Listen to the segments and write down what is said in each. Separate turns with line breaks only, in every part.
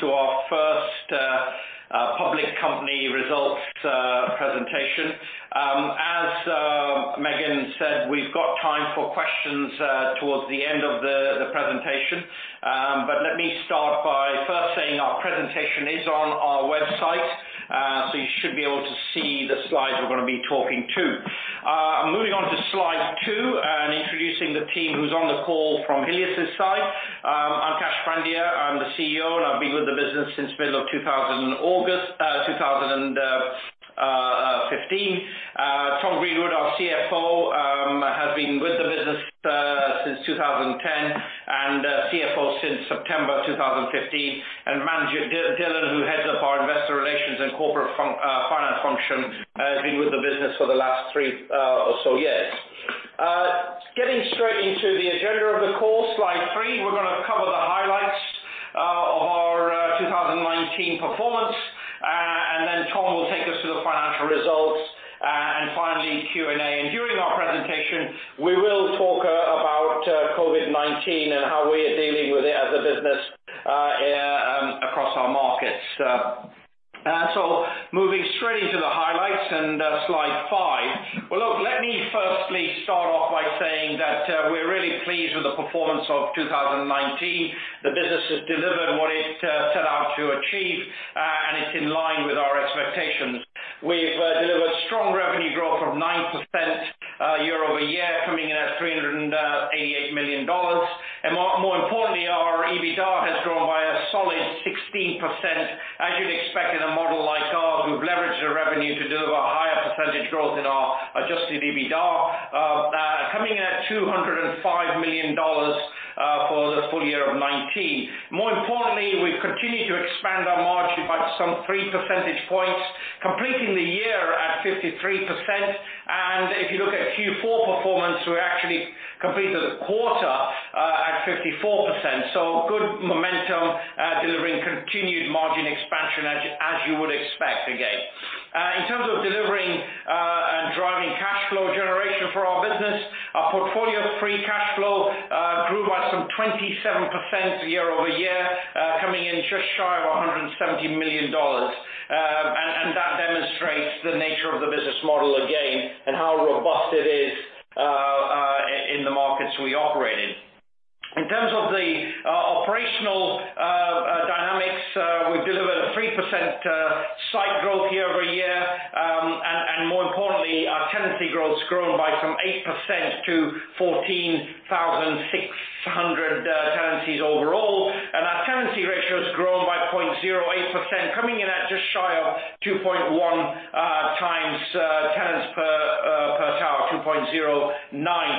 Good morning, everybody, and welcome to our first public company results presentation. As Megan said, we've got time for questions towards the end of the presentation. Let me start by first saying our presentation is on our website, so you should be able to see the slides we're going to be talking to. Moving on to slide two and introducing the team who's on the call from Helios Towers' side. I'm Kash Pandya, I'm the CEO, and I've been with the business since middle of August 2015. Tom Greenwood, our CFO, has been with the business since 2010 and CFO since September 2015. Manjit Dhillon, who heads up our investor relations and corporate finance function, has been with the business for the last three or so years. Getting straight into the agenda of the call, slide three, we're going to cover the highlights of our 2019 performance. Then Tom will take us through the financial results, and finally, Q&A. During our presentation, we will talk about COVID-19 and how we are dealing with it as a business across our markets. Moving straight into the highlights and slide five. Look, let me firstly start off by saying that we're really pleased with the performance of 2019. The business has delivered what it set out to achieve, and it's in line with our expectations. We've delivered strong revenue growth of 9% year-over-year, coming in at $388 million. More importantly, our EBITDA has grown by a solid 16%. As you'd expect in a model like ours, we've leveraged the revenue to deliver a higher percentage growth in our adjusted EBITDA, coming at $205 million for the full year of 2019. More importantly, we've continued to expand our margin by some three percentage points, completing the year at 53%. If you look at Q4 performance, we actually completed the quarter at 54%. Good momentum, delivering continued margin expansion as you would expect, again. In terms of delivering and driving cash flow generation for our business, our portfolio of free cash flow grew by some 27% year-over-year, coming in just shy of $170 million. That demonstrates the nature of the business model again, and how robust it is in the markets we operate in. In terms of the operational dynamics, we've delivered a 3% site growth year-over-year, and more importantly, our tenancy growth's grown by some 8% to 14,600 tenancies overall. Our tenancy ratio has grown by 0.08%, coming in at just shy of 2.1 times tenants per tower, 2.09,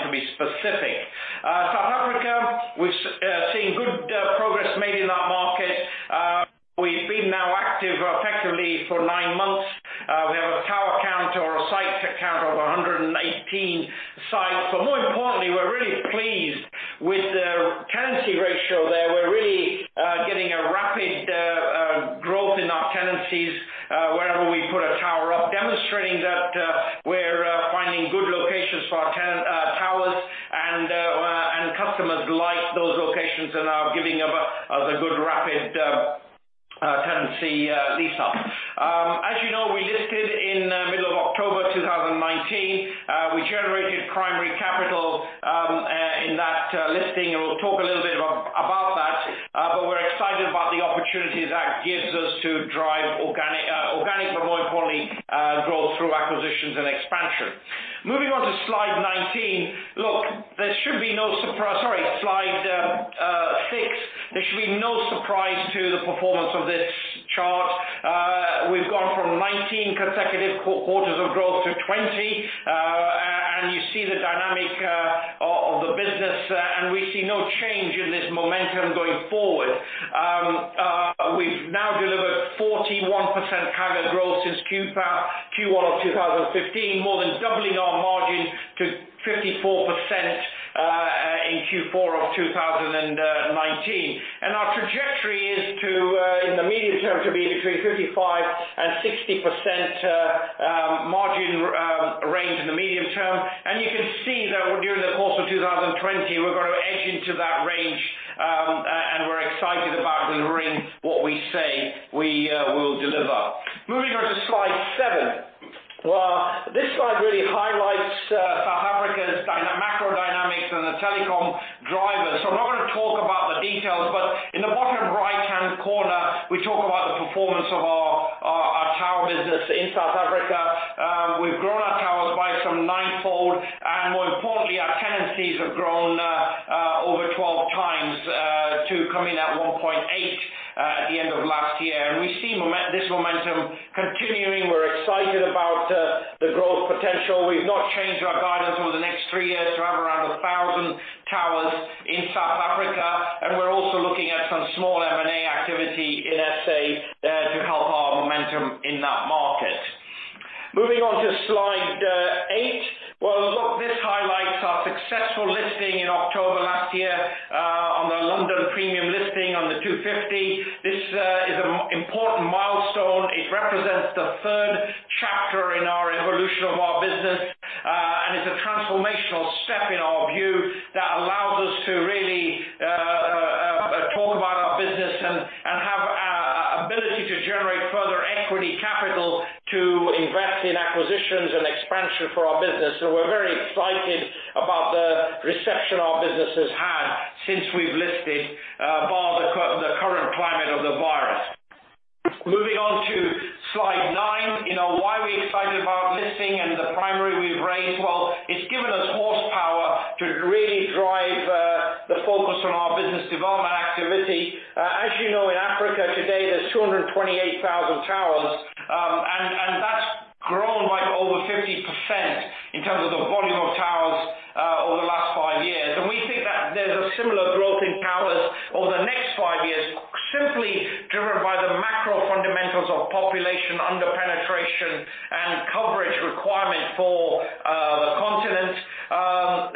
to be specific. South Africa, we've seen good progress made in that market. We've been now active effectively for nine months. We have a tower count or a site count of 118 sites. More importantly, we're really pleased with the tenancy ratio there. We're really getting a rapid growth in our tenancies wherever we put a tower up, demonstrating that we're finding good locations for our towers, and customers like those locations and are giving us a good rapid tenancy lease up. As you know, we listed in the middle of October 2019. We generated primary capital in that listing, and we'll talk a little bit about that. We're excited about the opportunities that gives us to drive organic, but more importantly, growth through acquisitions and expansion. Moving on to slide 19. Look, there should be no surprise-- sorry, slide six. There should be no surprise to the performance of this chart. We've gone from 19 consecutive quarters of growth to 20. You see the dynamic of the business, and we see no change in this momentum going forward. We've now delivered 41% kind of growth since Q1 of 2015, more than doubling our margin to 54% in Q4 of 2019. Our trajectory is, in the medium term, to be between 55% and 60% margin range in the medium term. You can see that during the course of 2020, we're going to edge into that range, and we're excited about delivering what we say we will deliver. Moving on to slide seven. This slide really highlights South Africa's macro dynamics and the telecom drivers. I'm not going to talk about the details, but in the bottom right-hand corner, we talk about the performance of our tower business in South Africa. We've grown our towers by some ninefold, and more importantly, our tenancies have grown over 12 times to coming at 1.8 at the end of last year. We see this momentum continuing. We're excited about the growth potential. We've not changed our guidance over the next three years to have around 1,000 towers in South Africa. We're also looking at some small M&A activity in SA to help our momentum in that market. Moving on to slide eight. Well, look, this highlights our successful listing in October last year on the London premium listing on the 250. This is an important milestone. It represents the third step in our view, that allows us to really talk about our business and have ability to generate further equity capital to invest in acquisitions and expansion for our business. We're very excited about the reception our business has had since we've listed, bar the current climate of the virus. Moving on to slide nine. Why are we excited about listing and the primary we've raised? It's given us horsepower to really drive the focus on our business development activity. As you know, in Africa today, there's 228,000 towers, and that's grown by over 50% in terms of the volume of towers over the last five years. We think that there's a similar growth in towers over the next five years, simply driven by the macro fundamentals of population under penetration and coverage requirement for the continent.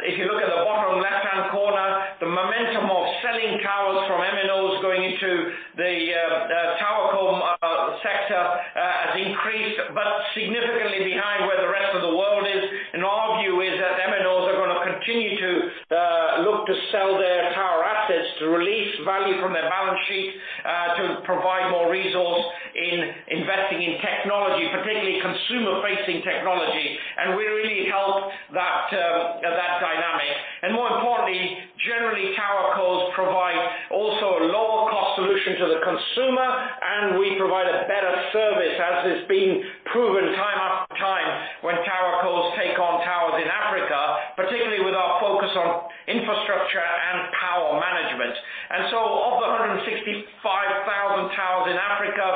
If you look at the bottom left-hand corner, the momentum of selling towers from MNOs going into the TowerCo sector has increased, significantly behind where the rest of the world is. Our view is that MNOs are going to continue to look to sell their tower assets to release value from their balance sheet, to provide more resource in investing in technology, particularly consumer-facing technology, and we really help that dynamic. More importantly, generally, TowerCos provide also a lower cost solution to the consumer, and we provide a better service as has been proven time after time when TowerCos take on towers in Africa, particularly with our focus on infrastructure and power management. Of the 165,000 towers in Africa,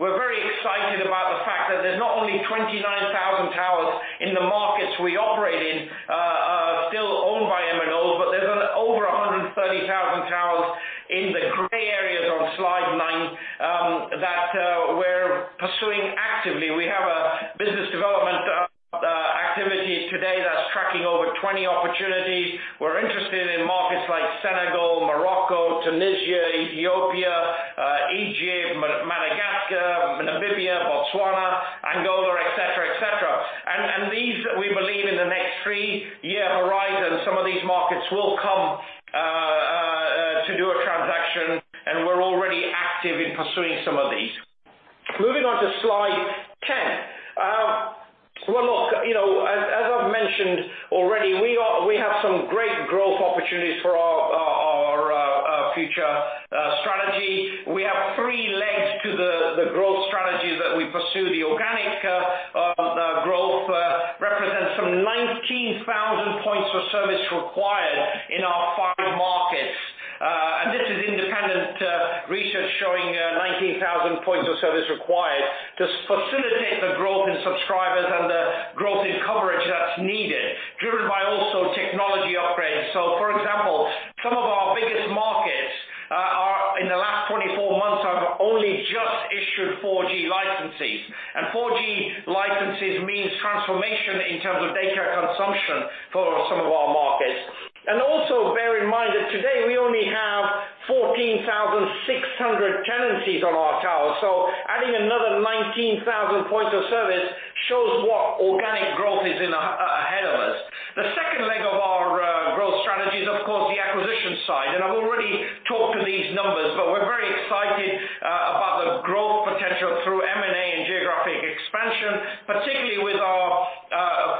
we're very excited about the fact that there's not only 29,000 towers in the markets we operate in are still owned by MNO, but there's over 130,000 towers in the gray areas on slide nine that we're pursuing actively. We have a business development activity today that's tracking over 20 opportunities. We're interested in markets like Senegal, Morocco, Tunisia, Ethiopia, Egypt, Madagascar, Namibia, Botswana, Angola, et cetera. These, we believe in the next three-year horizon, some of these markets will come to do a transaction, and we're already active in pursuing some of these. Moving on to slide 10. As I've mentioned already, we have some great growth opportunities for our future strategy. We have three legs to the growth strategy that we pursue. The organic growth represents some 19,000 points of service required in our five markets. This is independent research showing 19,000 points of service required to facilitate the growth in subscribers and the growth in coverage that's needed, driven by also technology upgrades. For example, some of our biggest markets, in the last 24 months, have only just issued 4G licenses. 4G licenses means transformation in terms of data consumption for some of our markets. Also bear in mind that today we only have 14,600 tenancies on our towers. Adding another 19,000 points of service shows what organic growth is ahead of us. The second leg of our growth strategy is of course the acquisition side, and I've already talked to these numbers, but we're very excited about the growth potential through M&A and geographic expansion, particularly with our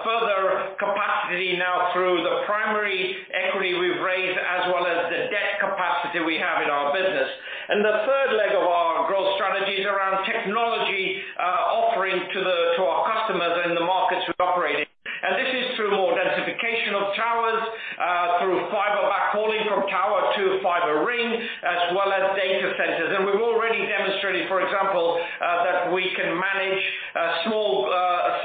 further capacity now through the primary equity we've raised as well as the debt capacity we have in our business. The third leg of our growth strategy is around technology offering to our customers in the markets we operate in. This is through more densification of towers, through fiber backhauling from tower to fiber ring, as well as data centers. We've already demonstrated, for example, that we can manage a small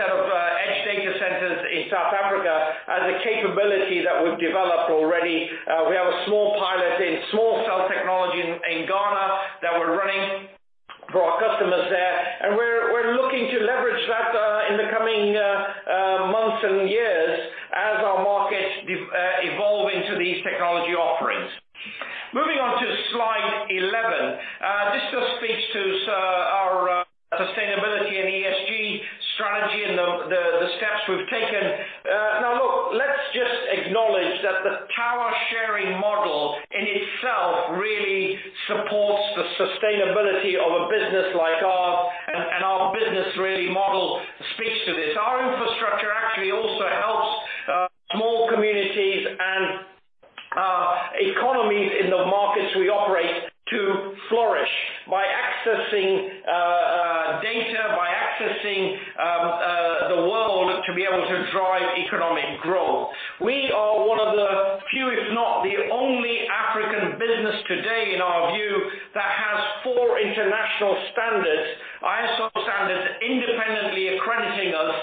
set of edge data centers in South Africa as a capability that we've developed already. We have a small pilot in small cell technology in Ghana that we're running for our customers there, and we're looking to leverage that in the coming months and years as our markets evolve into these technology offerings. Moving on to slide 11. This just speaks to our sustainability and ESG strategy and the steps we've taken. Now, look, let's just acknowledge that the power-sharing model in itself really supports the sustainability of a business like ours. Our business model speaks to this. Our infrastructure actually also helps small communities and economies in the markets we operate to flourish by accessing data, by accessing the world to be able to drive economic growth. We are one of the few, if not the only African business today, in our view, that has four international standards, ISO standards, independently accrediting us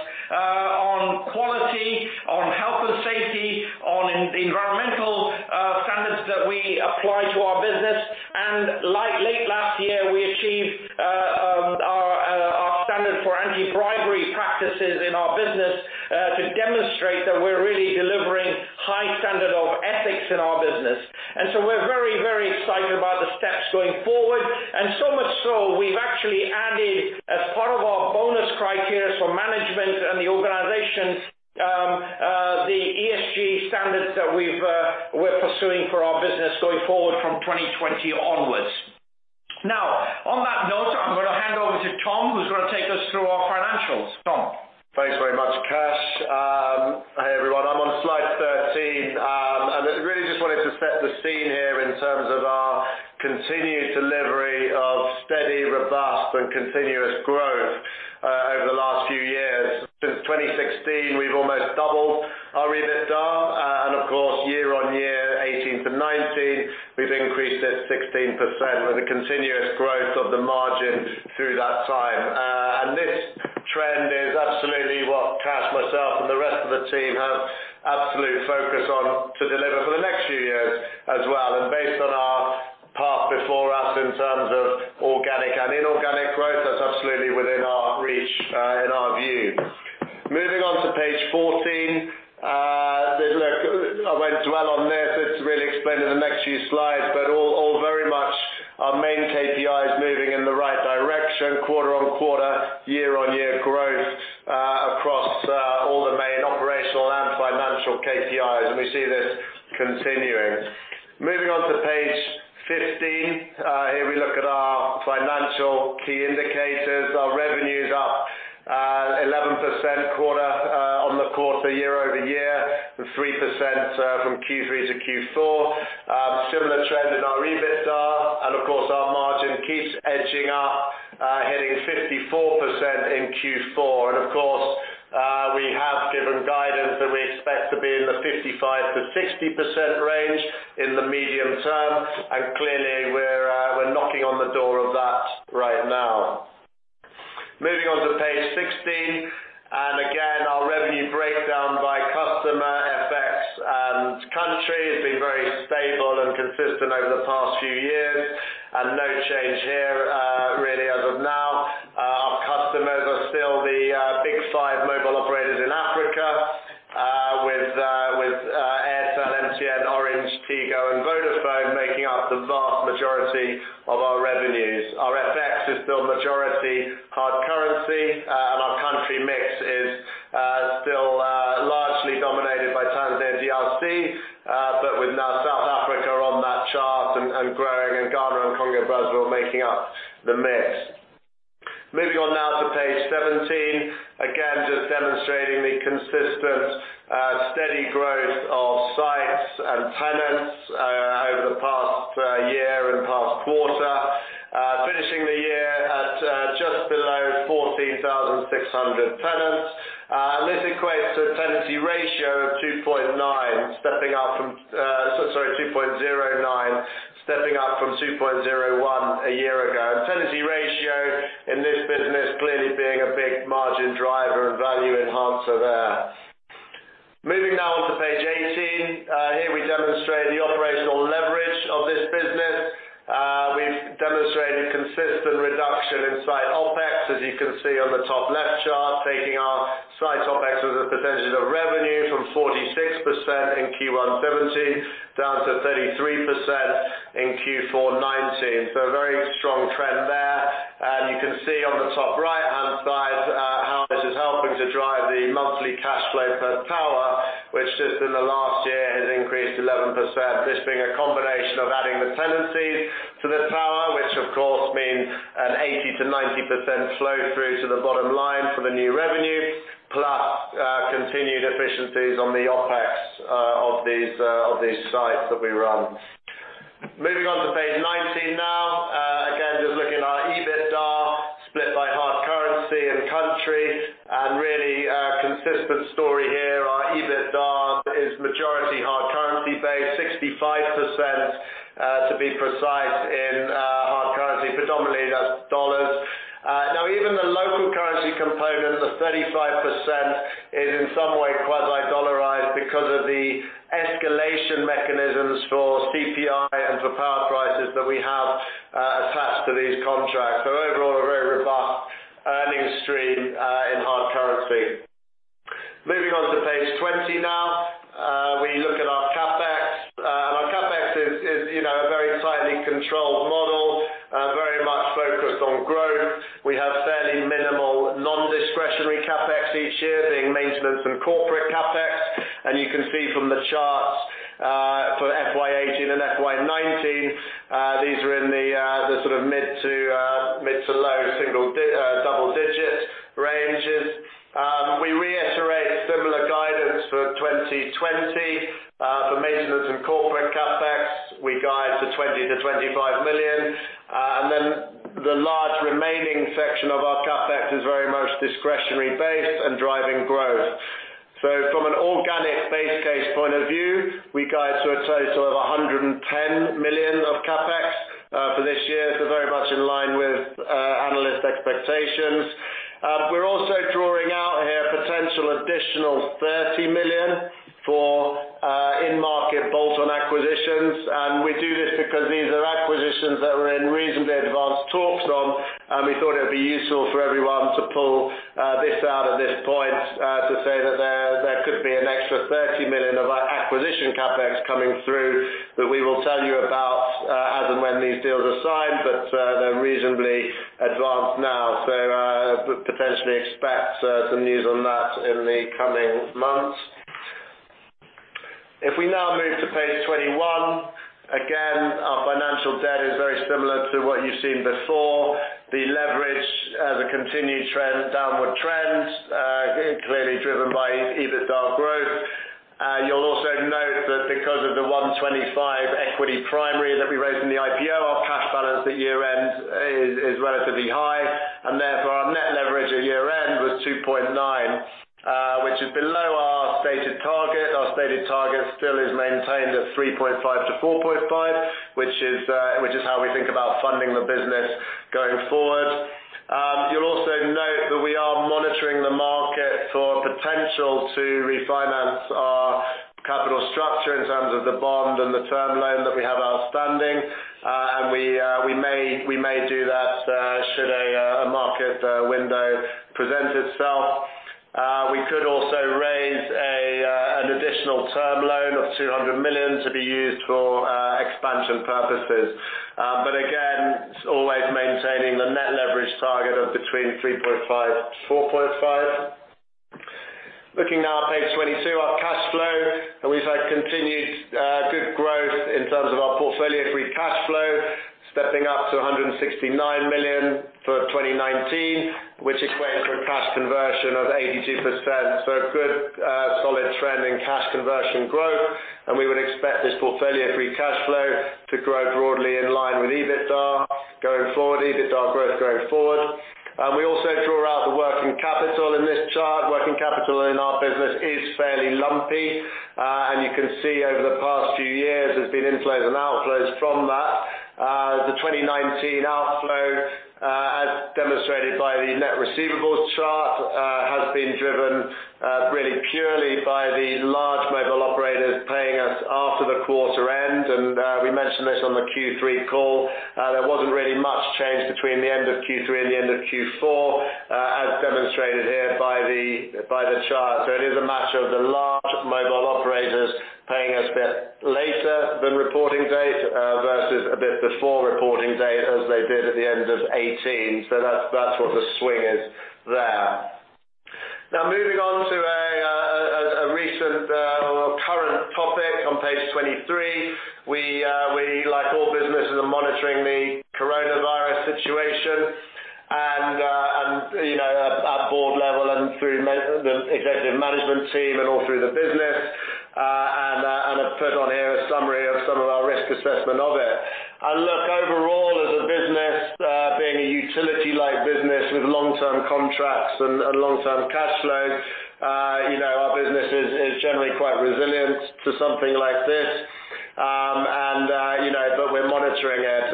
on quality, on health and safety, on the environmental standards that we apply to our business. Late last year, we achieved our standard for anti-bribery practices in our business to demonstrate that we're really delivering high standard of ethics in our business. We're very excited about the steps going forward. So much so, we've actually added, as part of our bonus criteria for management and the organization, the ESG standards that we're pursuing for our business going forward from 2020 onwards. On that note, I'm going to hand over to Tom, who's going to take us through our financials. Tom?
Thanks very much, Kash. Hey, everyone. I'm on slide 13. I really just wanted to set the scene here in terms of our continued delivery of steady, robust, and continuous growth over the last few years. Since 2016, we've almost doubled our EBITDA. Of course, year on year, 2018 to 2019, we've increased it 16% with the continuous growth of the margin through that time. This trend is absolutely what Kash, myself, and the rest of the team have absolute focus on to deliver for the next few years as well. Based on our path before us in terms of organic and inorganic growth, that's absolutely within our reach in our view. Moving on to page 14. I won't dwell on this. It's really explained in the next few slides, but all very much our main KPI is moving in the right direction, quarter-on-quarter, year-on-year growth across all the main operational and financial KPIs, and we see this continuing. Moving on to page 15. Here we look at our financial key indicators. Our revenue's up 11% on the quarter year-over-year, and 3% from Q3 to Q4. Similar trend in our EBITDA, and of course, our margin keeps edging up, hitting 54% in Q4. Of course, we have given guidance that we expect to be in the 55%-60% range in the medium term. Clearly, we're knocking on the door of that right now. Moving on to page 16. Again, our revenue breakdown by customer, FX, and country has been very stable and consistent over the past few years, no change here really as of now. Our customers are still the big five mobile operators in Africa, with Airtel, MTN, Orange, Tigo, and Vodafone making up the vast majority of our revenues. Our FX is still majority hard currency, our country mix is still largely dominated by Tanzania, DRC, with now South Africa on that chart and growing, Ghana and Congo, Brazzaville making up the mix. Moving on now to page 17. Again, just demonstrating the consistent steady growth of sites and tenants over the past year and past quarter, finishing the year at just below 14,600 tenants. This equates to a tenancy ratio of 2.9, stepping up from 2.09, stepping up from 2.01 a year ago. Tenancy ratio in this business clearly being a big margin driver and value enhancer there. Moving now on to page 18. Here we demonstrate the operational leverage of this business. We've demonstrated consistent reduction in site OpEx, as you can see on the top left chart, taking our site OpEx as a percentage of revenue from 46% in Q1 2017 down to 33% in Q4 2019. A very strong trend there. You can see on the top right-hand side how this is helping to drive the monthly cash flow per tower, which just in the last year has increased 11%, this being a combination of adding the tenancies to the tower, which of course means an 80%-90% flow through to the bottom line for the new revenue, plus continued efficiencies on the OpEx of these sites that we run. Moving on to page 19 now. Just looking at our EBITDA split by hard currency and country. Really a consistent story here. Our EBITDA is majority hard currency based, 65% to be precise in hard currency, predominantly that's dollars. Even the local currency component of the 35% is in some way quasi-dollarized because of the escalation mechanisms for CPI and for power prices that we have attached to these contracts. Overall, a very robust earnings stream in hard currency. Moving on to page 20 now. We look at our CapEx. Our CapEx is a very tightly controlled model, very much focused on growth. We have fairly minimal non-discretionary CapEx each year, being maintenance and corporate CapEx. You can see from the charts for FY 2018 and FY 2019, these are in the mid to low double-digit ranges. We reiterate similar guidance for 2020. For maintenance and corporate CapEx, we guide to $20 million-$25 million. The large remaining section of our CapEx is very much discretionary based and driving growth. From an organic base case point of view, we guide to a total of $110 million of CapEx for this year, very much in line with analyst expectations. We're also drawing out here a potential additional $30 million for in-market bolt-on acquisitions. We do this because these are acquisitions that we're in reasonably advanced talks on, and we thought it would be useful for everyone to say that there could be an extra $30 million of our acquisition CapEx coming through that we will tell you about as and when these deals are signed, but they're reasonably advanced now. Potentially expect some news on that in the coming months. If we now move to page 21, again, our financial debt is very similar to what you've seen before. The leverage, the continued downward trends, clearly driven by EBITDA growth. You'll also note that because of the $125 equity primary that we raised in the IPO, our cash balance at year-end is relatively high, and therefore, our net leverage at year-end was 2.9, which is below our stated target. Our stated target still is maintained at 3.5-4.5, which is how we think about funding the business going forward. You'll also note that we are monitoring the market for potential to refinance our capital structure in terms of the bond and the term loan that we have outstanding. We may do that should a market window present itself. We could also raise an additional term loan of $200 million to be used for expansion purposes. Again, it's always maintaining the net leverage target of between 3.5-4.5. Looking now at page 22, our cash flow. We've had continued good growth in terms of our portfolio free cash flow, stepping up to $169 million for 2019, which equates to a cash conversion of 82%. A good, solid trend in cash conversion growth. We would expect this portfolio free cash flow to grow broadly in line with EBITDA going forward, EBITDA growth going forward. We also draw out the working capital in this chart. Working capital in our business is fairly lumpy. You can see over the past few years, there's been inflows and outflows from that. The 2019 outflow, as demonstrated by the net receivables chart, has been driven really purely by the large mobile operators paying us after the quarter end. We mentioned this on the Q3 call. There wasn't really much change between the end of Q3 and the end of Q4, as demonstrated here by the chart. It is a matter of the large mobile operators paying us a bit later than reporting date versus a bit before reporting date as they did at the end of 2018. That's what the swing is there. Moving on to a recent or current topic on page 23. We, like all businesses, are monitoring the coronavirus situation, at board level and through the executive management team and all through the business. I've put on here a summary of some of our risk assessment of it. Look, overall as a business, being a utility-like business with long-term contracts and long-term cash flows, our business is generally quite resilient to something like this. We're monitoring it.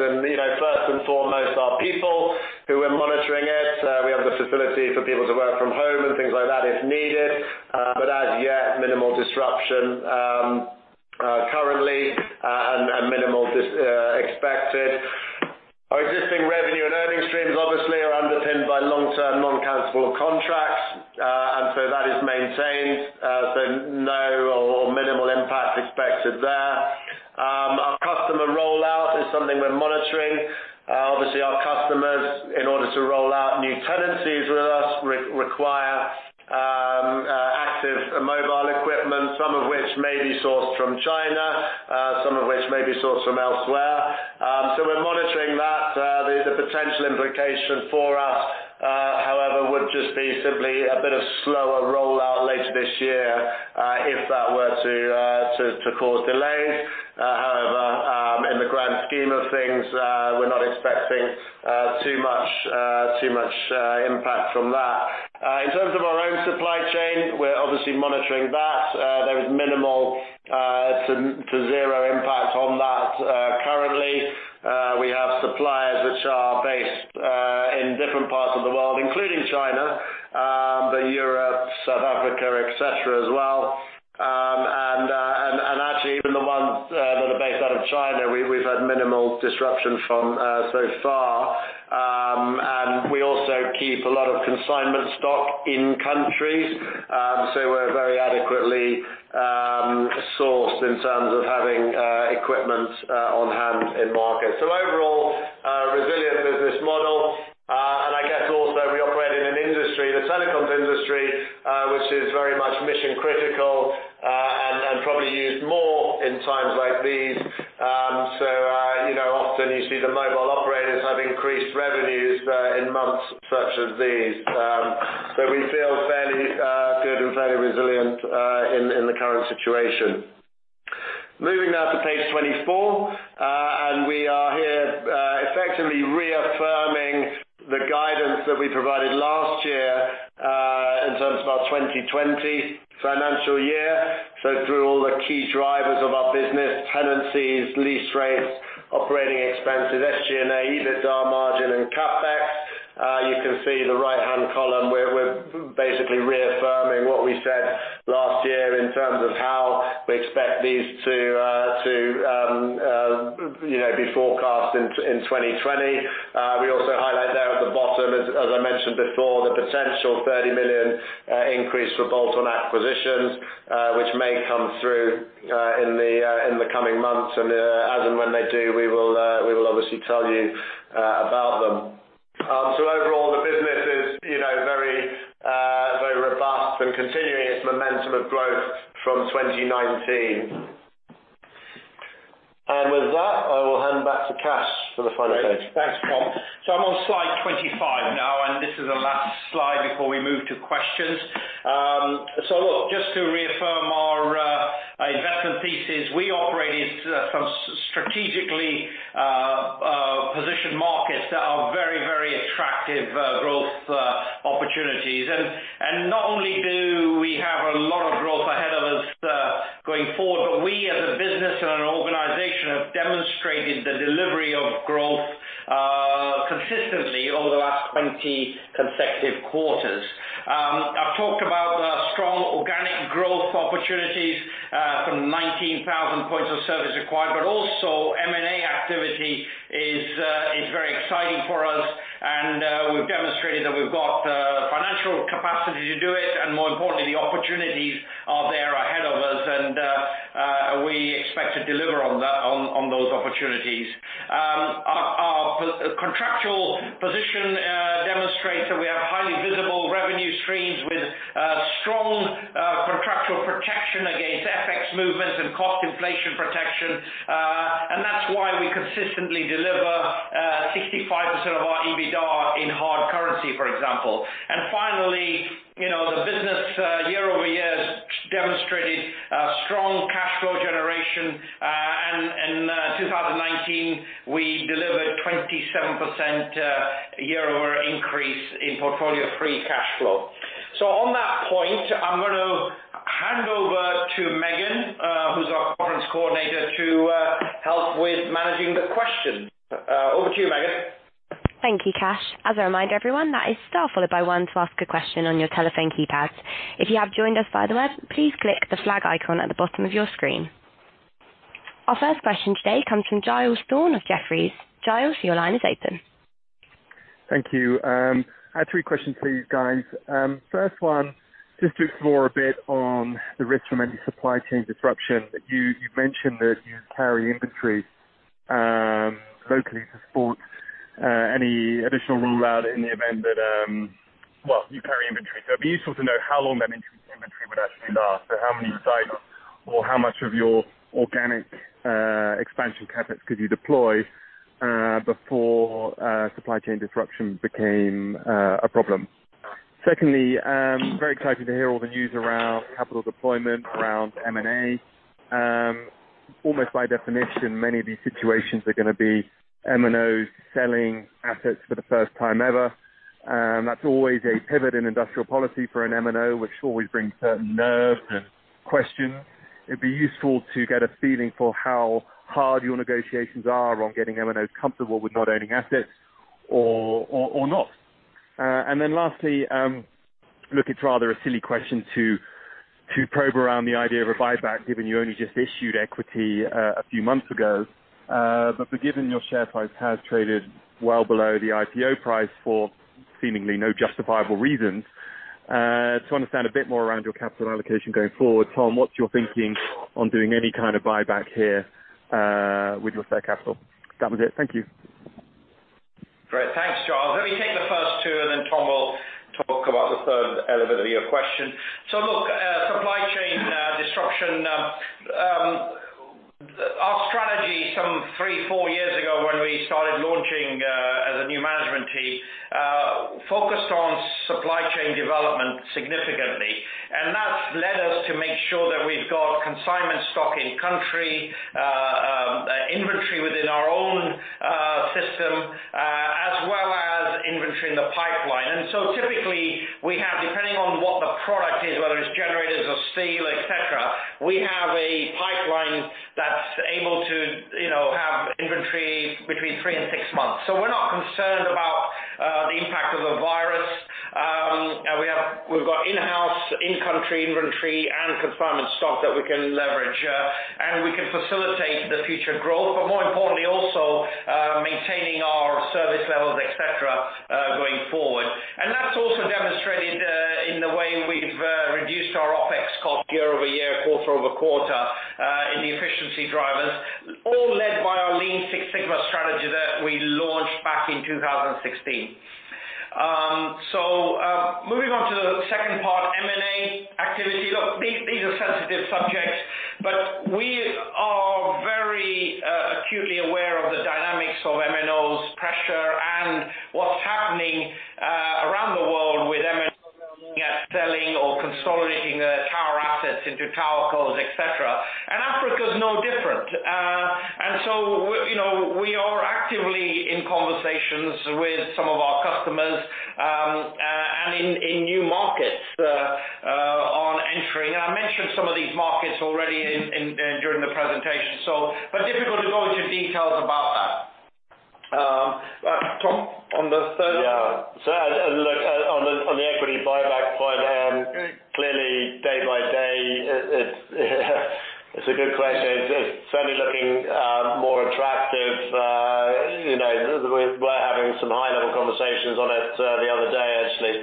First and foremost, our people who are monitoring it. We have the facility for people to work from home and things like that if needed. As yet, minimal disruption currently, and minimal expected. Our existing revenue and earnings streams obviously are underpinned by long-term non-cancellable contracts. That is maintained. No or minimal impact expected there. Our customer rollout is something we're monitoring. Obviously, our customers, in order to roll out new tenancies with us, require active mobile equipment, some of which may be sourced from China, some of which may be sourced from elsewhere. We're monitoring that. The potential implication for us, however, would just be simply a bit of slower rollout later this year if that were to cause delays. In the grand scheme of things, we're not expecting too much impact from that. In terms of our own supply chain, we're obviously monitoring that. There is minimal to zero impact on that currently. We have suppliers which are based in different parts of the world, including China, Europe, South Africa, et cetera as well. Actually, even the ones that are based out of China, we've had minimal disruption from so far. We also keep a lot of consignment stock in countries, so we're very adequately sourced in terms of having equipment on hand in market. Overall, a resilient business model. I guess also we operate in an industry, the telecoms industry, which is very much mission-critical, and probably used more in times like these. Often you see the mobile operators have increased revenues in months such as these. We feel fairly good and fairly resilient in the current situation. Moving now to page 24. We are here effectively reaffirming the guidance that we provided last year in terms of our 2020 financial year. Through all the key drivers of our business, tenancies, lease rates, operating expenses, SG&A, EBITDA margin, and CapEx. You can see the right-hand column, we're basically reaffirming what we said last year in terms of how we expect these to be forecast in 2020. We also highlight there at the bottom, as I mentioned before, the potential $30 million increase for bolt-on acquisitions, which may come through in the coming months. As and when they do, we will obviously tell you about them. Overall, the business is very robust and continuing its momentum of growth from 2019. With that, I will hand back to Kash for the final notes.
Great. Thanks, Tom. I'm on slide 25 now, and this is the last slide before we move to questions. Look, just to reaffirm our investment thesis, we operate in some strategically positioned markets that are very, very attractive growth opportunities. Not only do we have a lot of growth ahead of us going forward, but we as a business and an organization have demonstrated the delivery of growth consistently over the last 20 consecutive quarters. I've talked about the strong organic growth opportunities from the 19,000 points of service acquired, but also M&A activity is very exciting for us and we've demonstrated that we've got the financial capacity to do it, and more importantly, the opportunities are there ahead of us and we expect to deliver on those opportunities. Our contractual position demonstrates that we have highly visible revenue streams with strong contractual protection against FX movements and cost inflation protection. That's why we consistently deliver 65% of our EBITDA in hard currency, for example. Finally, the business year-over-year has demonstrated strong cash flow generation. In 2019, we delivered 27% year-over increase in portfolio free cash flow. On that point, I'm going to hand over to Megan, who's our conference coordinator, to help with managing the questions. Over to you, Megan.
Thank you, Kash. As a reminder everyone, that is star followed by one to ask a question on your telephone keypads. If you have joined us via the web, please click the flag icon at the bottom of your screen. Our first question today comes from Giles Thorne of Jefferies. Giles, your line is open.
Thank you. I had three questions for you guys. First one, just to explore a bit on the risk from any supply chain disruption. You mentioned that you carry inventory locally to support any additional rollout. Well, you carry inventory. It'd be useful to know how long that inventory would actually last, how many cycles or how much of your organic expansion CapEx could you deploy before supply chain disruption became a problem? Secondly, very excited to hear all the news around capital deployment, around M&A. Almost by definition, many of these situations are going to be MNOs selling assets for the first time ever. That's always a pivot in industrial policy for an MNO, which always brings certain nerves and questions. It'd be useful to get a feeling for how hard your negotiations are on getting MNOs comfortable with not owning assets or not. Lastly, look, it's rather a silly question to probe around the idea of a buyback, given you only just issued equity a few months ago. Given your share price has traded well below the IPO price for seemingly no justifiable reasons, to understand a bit more around your capital allocation going forward, Tom, what's your thinking on doing any kind of buyback here with your fair capital? That was it. Thank you.
Great. Thanks, Giles. Let me take the first two, Tom will talk about the third element of your question. Look, supply chain disruption. Our strategy some three, four years ago, when we started launching as a new management team, focused on supply chain development significantly, that's led us to make sure that we've got consignment stock in country, inventory within our own system, as well as inventory in the pipeline. Typically, we have, depending on what the product is, whether it's generators or steel, et cetera, we have a pipeline that's able to have inventory between three and six months. We're not concerned about the impact of the virus. We've got in-house, in-country inventory and consignment stock that we can leverage, and we can facilitate the future growth. More importantly, also maintaining our service levels, et cetera, going forward. That's also demonstrated in the way we've reduced our OpEx cost year-over-year, quarter-over-quarter, in the efficiency drivers, all led by our Lean Six Sigma strategy that we launched back in 2016. Moving on to the second part, M&A activity. Look, these are sensitive subjects, but we are very acutely aware of the dynamics of MNOs pressure and what's happening around the world with MNOs looking at selling or consolidating their tower assets into TowerCos, et cetera. Africa is no different. We are actively in conversations with some of our customers, and in new markets on entry. I mentioned some of these markets already during the presentation. Difficult to go into details about that. Tom, on the third one?
It's a good question. It's certainly looking more attractive. We were having some high-level conversations on it the other day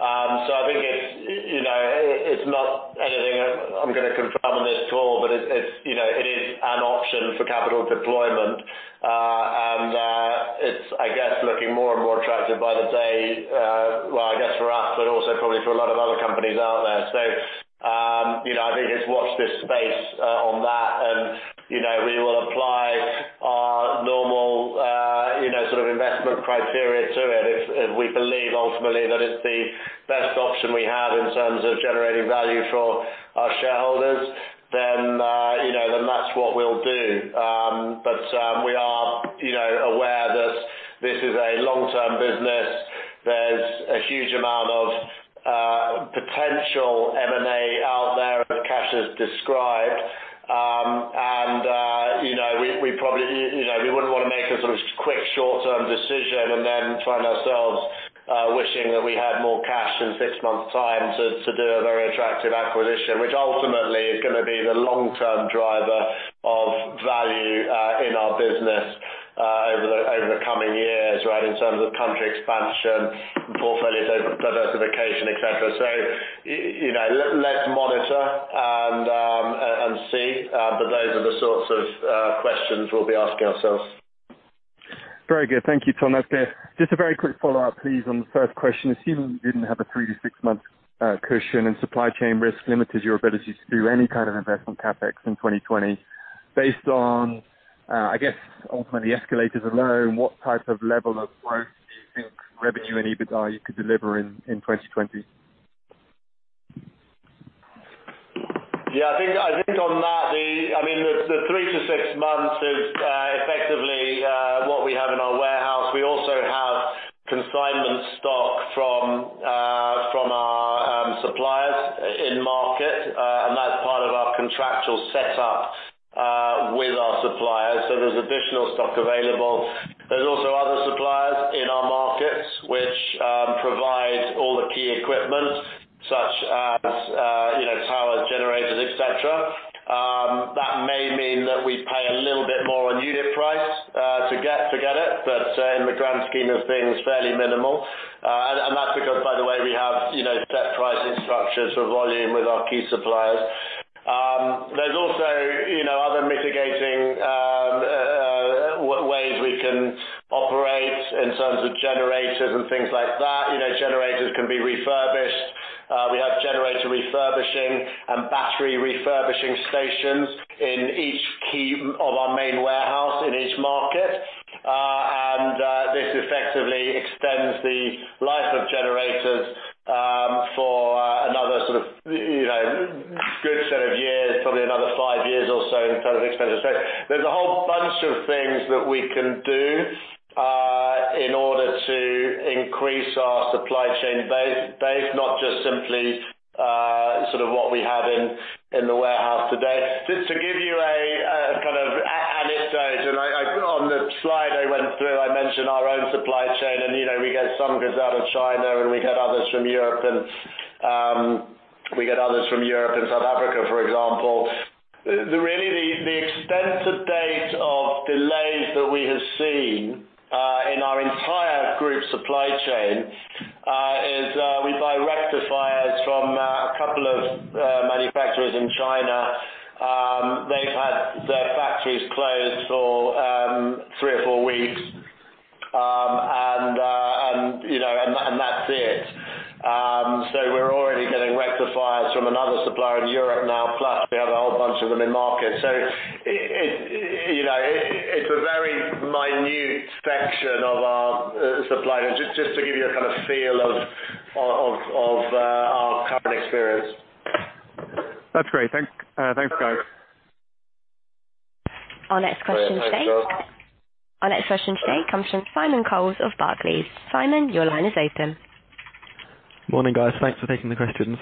actually. I think it's not anything I'm going to confirm on this call, but it is an option for capital deployment. It's, I guess, looking more and more attractive by the day, well, I guess for us, but also probably for a lot of other companies out there. I think it's watch this space on that, and we will apply our normal sort of investment criteria to it. If we believe ultimately that it's the best option we have in terms of generating value for our shareholders, then that's what we'll do. We are aware that this is a long-term business. There's a huge amount of potential M&A out there as Kash has described. We wouldn't want to make a sort of quick short-term decision and then find ourselves wishing that we had more cash in six months' time to do a very attractive acquisition, which ultimately is going to be the long-term driver of value in our business over the coming years, in terms of country expansion, portfolios diversification, et cetera. Let's monitor and see, but those are the sorts of questions we'll be asking ourselves.
Very good. Thank you, Tom. Just a very quick follow-up, please, on the first question. Assuming that you didn't have a three to six month cushion and supply chain risk limited your ability to do any kind of investment CapEx in 2020, based on, I guess ultimately escalators alone, what type of level of growth do you think revenue and EBITDA you could deliver in 2020?
Yeah, I think on that, the three to six months is effectively what we have in our warehouse. We also have consignment stock from our suppliers in market. That's part of our contractual set up with our suppliers. There's additional stock available. There's also other suppliers in our markets which provide all the key equipment such as power generators, et cetera. That may mean that we pay a little bit more on unit price to get it. In the grand scheme of things, fairly minimal. That's because, by the way, we have set pricing structures for volume with our key suppliers. There's also other mitigating ways we can operate in terms of generators and things like that. Generators can be refurbished. We have generator refurbishing and battery refurbishing stations in each key of our main warehouse in each market. This effectively extends the life of generators for another good set of years, probably another five years or so in terms of expenditure. There's a whole bunch of things that we can do in order to increase our supply chain base, not just simply what we have in the warehouse today. Just to give you an anecdote, and on the slide I went through, I mentioned our own supply chain, and some goods out of China, and we get others from Europe and South Africa, for example. The extent to date of delays that we have seen in our entire group supply chain is we buy rectifiers from a couple of manufacturers in China. They've had their factories closed for three or four weeks, and that's it. We're already getting rectifiers from another supplier in Europe now, plus we have a whole bunch of them in market. It's a very minute section of our supply, just to give you a kind of feel of our current experience.
That's great. Thanks guys.
Our next question today.
[Thanks, Giles].
Our next question today comes from Simon Coles of Barclays. Simon, your line is open.
Morning, guys. Thanks for taking the questions.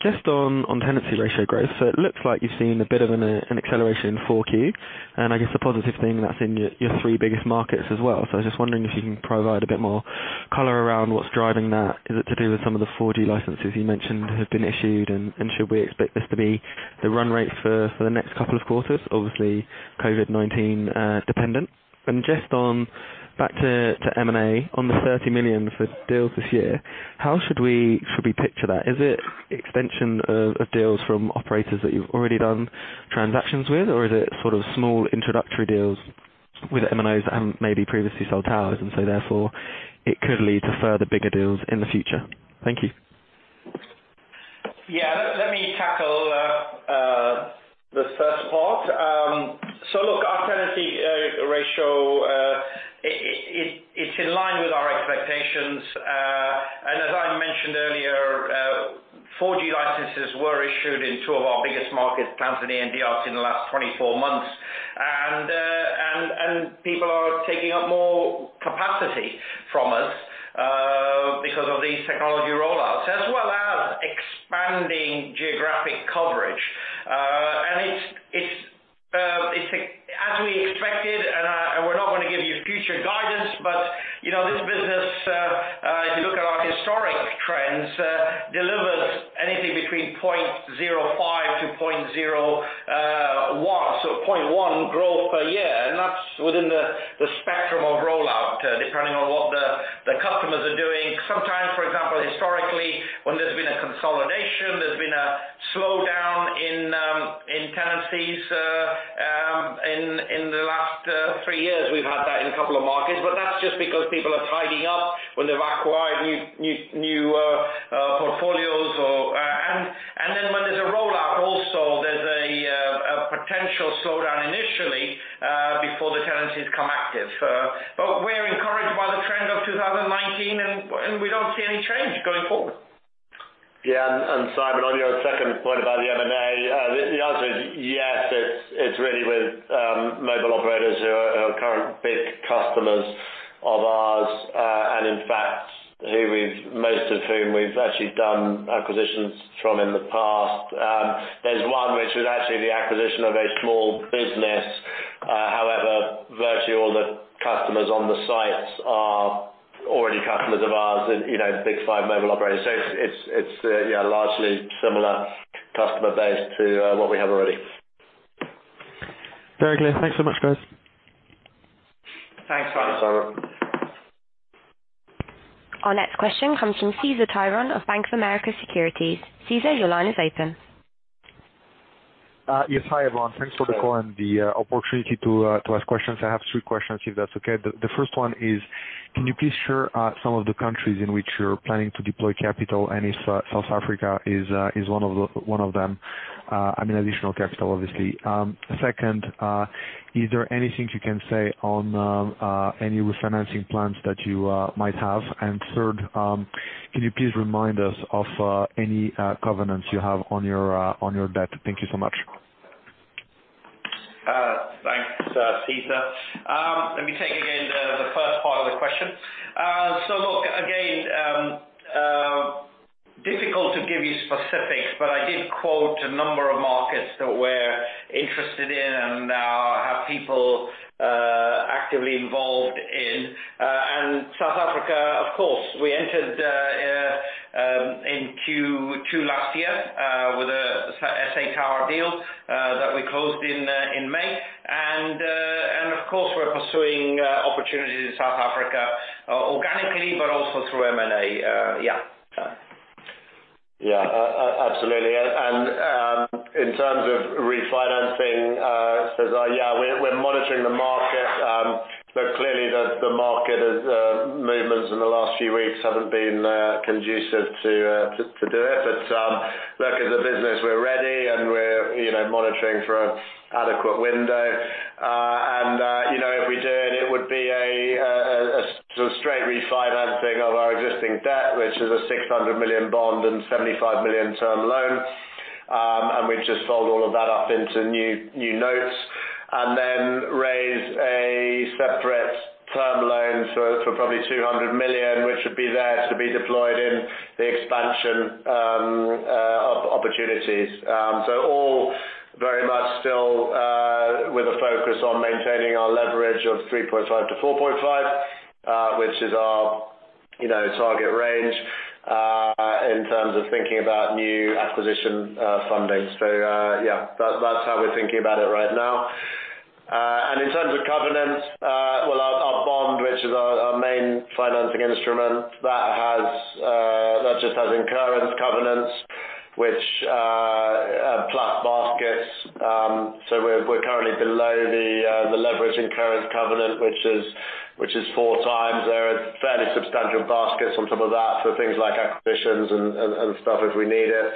Just on tenancy ratio growth, it looks like you've seen a bit of an acceleration in 4Q, I guess the positive thing, that's in your three biggest markets as well. I was just wondering if you can provide a bit more color around what's driving that. Is it to do with some of the 4G licenses you mentioned have been issued, should we expect this to be the run rates for the next couple of quarters, obviously COVID-19 dependent? Just on back to M&A, on the $30 million for deals this year, how should we picture that? Is it extension of deals from operators that you've already done transactions with, or is it sort of small introductory deals with MNOs that haven't maybe previously sold towers, and so therefore it could lead to further bigger deals in the future? Thank you.
Yeah, let me tackle the first part. Look, our tenancy ratio, it's in line with our expectations. As I mentioned earlier, 4G licenses were issued in two of our biggest markets, Tanzania and DRC, in the last 24 months. People are taking up more capacity from us because of these technology rollouts, as well as expanding geographic coverage. Historic trends delivers anything between 0.05 to 0.1 growth per year, that's within the spectrum of rollout, depending on what the customers are doing. Sometimes, for example, historically, when there's been a consolidation, there's been a slowdown in tenancies. In the last three years, we've had that in a couple of markets, that's just because people are tidying up when they've acquired new portfolios. When there's a rollout also, there's a potential slowdown initially, before the tenancies come active. We're encouraged by the trend of 2019 and we don't see any change going forward.
Yeah. Simon, on your second point about the M&A, the answer is yes, it's really with mobile operators who are current big customers of ours. In fact, most of whom we've actually done acquisitions from in the past. There's one which was actually the acquisition of a small business. However, virtually all the customers on the sites are already customers of ours and big five mobile operators. It's largely similar customer base to what we have already.
Very clear. Thanks so much, guys.
Thanks, Simon.
Thanks, Simon.
Our next question comes from Cesar Tiron of Bank of America Securities. Cesar, your line is open.
Yes. Hi, everyone. Thanks for the call and the opportunity to ask questions. I have three questions, if that's okay. The first one is, can you please share some of the countries in which you're planning to deploy capital and if South Africa is one of them? I mean, additional capital, obviously. Second, is there anything you can say on any refinancing plans that you might have? Third, can you please remind us of any covenants you have on your debt? Thank you so much.
Thanks, Cesar. Let me take again the first part of the question. Look, again, difficult to give you specifics, but I did quote a number of markets that we're interested in and have people actively involved in. South Africa, of course, we entered in Q2 last year, with a SA Towers deal that we closed in May. Of course, we're pursuing opportunities in South Africa organically, but also through M&A. Yeah.
Absolutely. In terms of refinancing, Cesar, we're monitoring the market. Clearly the market movements in the last few weeks haven't been conducive to do it. Look, as a business, we're ready and we're monitoring for an adequate window. If we do it would be a straight refinancing of our existing debt, which is a $600 million bond and $75 million term loan. We've just sold all of that up into new notes and raise a separate term loan for probably $200 million, which would be there to be deployed in the expansion of opportunities. All very much still with a focus on maintaining our leverage of 3.5-4.5, which is our target range, in terms of thinking about new acquisition funding. That's how we're thinking about it right now. In terms of covenants, well, our bond, which is our main financing instrument, that just has incurred covenants, which are plat baskets. We're currently below the leverage incurred covenant, which is 4 times there. It's fairly substantial baskets on top of that for things like acquisitions and stuff if we need it.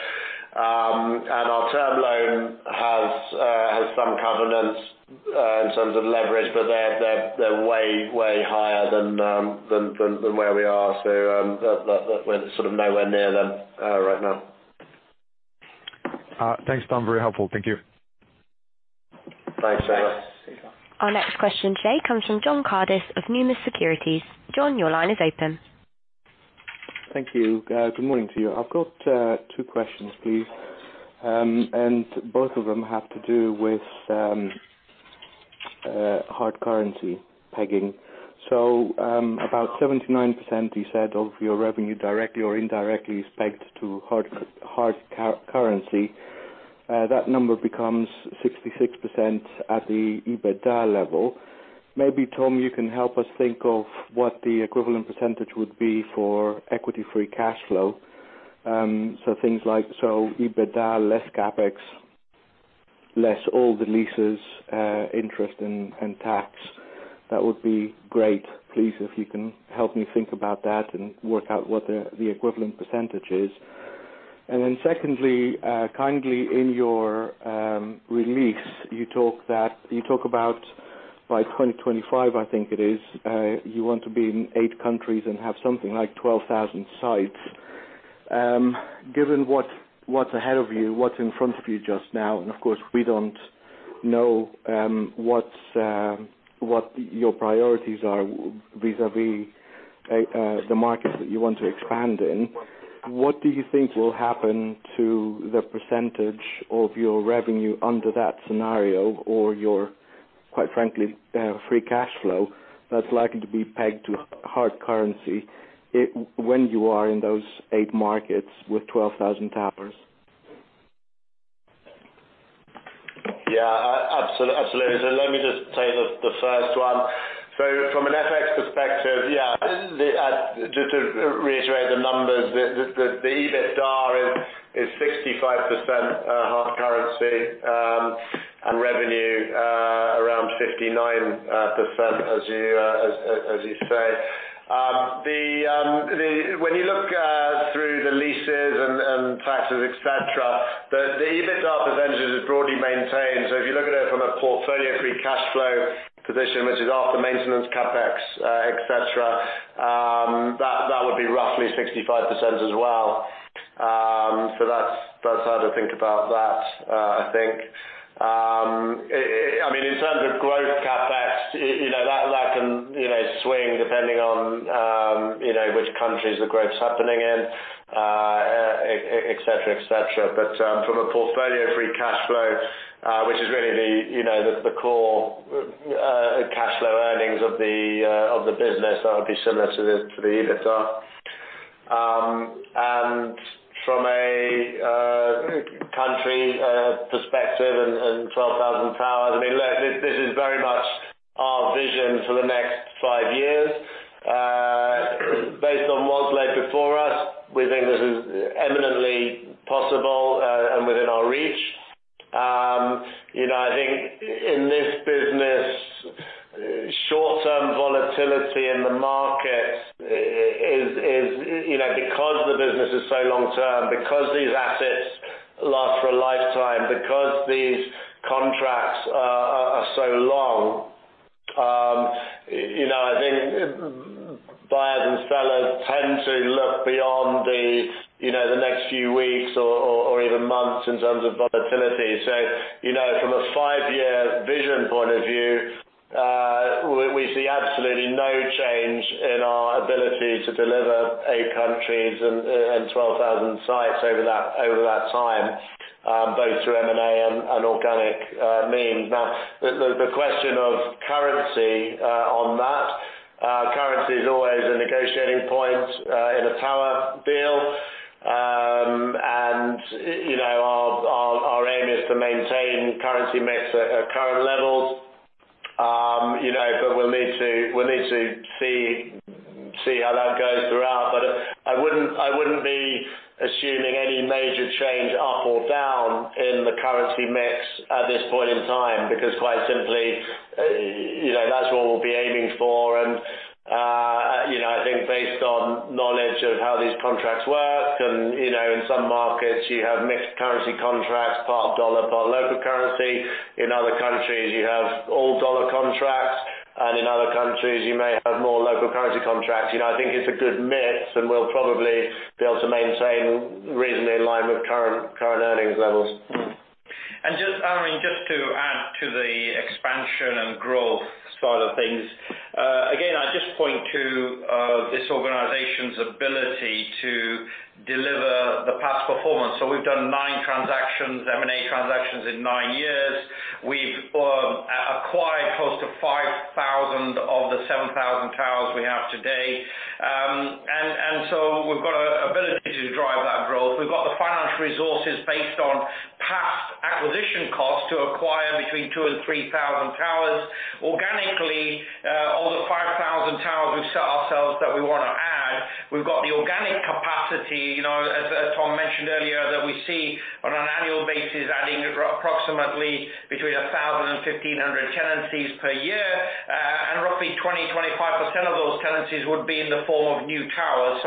Our term loan has some covenants in terms of leverage, but they're way higher than where we are. We're nowhere near them right now.
Thanks, Tom. Very helpful. Thank you.
Thanks so much, Cesar.
Our next question today comes from John Karidis of Numis Securities. John, your line is open.
Thank you. Good morning to you. I've got two questions, please. Both of them have to do with hard currency pegging. About 79%, you said, of your revenue directly or indirectly is pegged to hard currency. That number becomes 66% at the EBITDA level. Maybe Tom, you can help us think of what the equivalent percentage would be for equity-free cash flow. EBITDA less CapEx, less all the leases, interest and tax. That would be great. Please, if you can help me think about that and work out what the equivalent percentage is. Secondly, kindly in your release, you talk about by 2025, I think it is, you want to be in eight countries and have something like 12,000 sites. Given what's ahead of you, what's in front of you just now, and of course, we don't know what your priorities are vis-à-vis the markets that you want to expand in, what do you think will happen to the percentage of your revenue under that scenario or your quite frankly, free cash flow that's likely to be pegged to hard currency when you are in those eight markets with 12,000 towers?
Yeah. Absolutely. Let me just take the first one. From an FX perspective, just to reiterate the numbers, the EBITDA is 65% hard currency, and revenue around 59%, as you say. When you look through the leases and taxes, et cetera, the EBITDA percentage is broadly maintained. If you look at it from a portfolio free cash flow position, which is after maintenance, CapEx, et cetera, that would be roughly 65% as well. That's how to think about that, I think. In terms of growth CapEx, that can swing depending on which countries the growth's happening in, et cetera. From a portfolio free cash flow, which is really the core cash flow earnings of the business, that would be similar to the EBITDA. From a country perspective and 12,000 towers, this is very much our vision for the next five years. Based on what's led before us, we think this is eminently possible and within our reach. I think in this business, short-term volatility in the market because the business is so long-term, because these assets last for a lifetime, because these contracts are so long, I think buyers and sellers tend to look beyond the next few weeks or even months in terms of volatility. From a five-year vision point of view, we see absolutely no change in our ability to deliver eight countries and 12,000 sites over that time, both through M&A and organic means. The question of currency on that. Currency is always a negotiating point in a tower deal. Our aim is to maintain currency mix at current levels. We'll need to see how that goes throughout. I wouldn't be assuming any major change up or down in the currency mix at this point in time, because quite simply, that's what we'll be aiming for. I think based on knowledge of how these contracts work, in some markets you have mixed currency contracts, part dollar, part local currency. In other countries, you have all dollar contracts. In other countries, you may have more local currency contracts. I think it's a good mix. We'll probably be able to maintain reasonably in line with current earnings levels.
Just to add to the expansion and growth side of things. Again, I just point to this organization's ability to deliver the past performance. We've done nine M&A transactions in nine years. We've acquired close to 5,000 of the 7,000 towers we have today. We've got an ability to drive that growth. We've got the financial resources based on past acquisition costs to acquire between 2,000 and 3,000 towers. Organically, all the 5,000 towers we've set ourselves that we want to add, we've got the organic capacity, as Tom mentioned earlier, that we see on an annual basis, adding approximately between 1,000 and 1,500 tenancies per year. Roughly 20%, 25% of those tenancies would be in the form of new towers.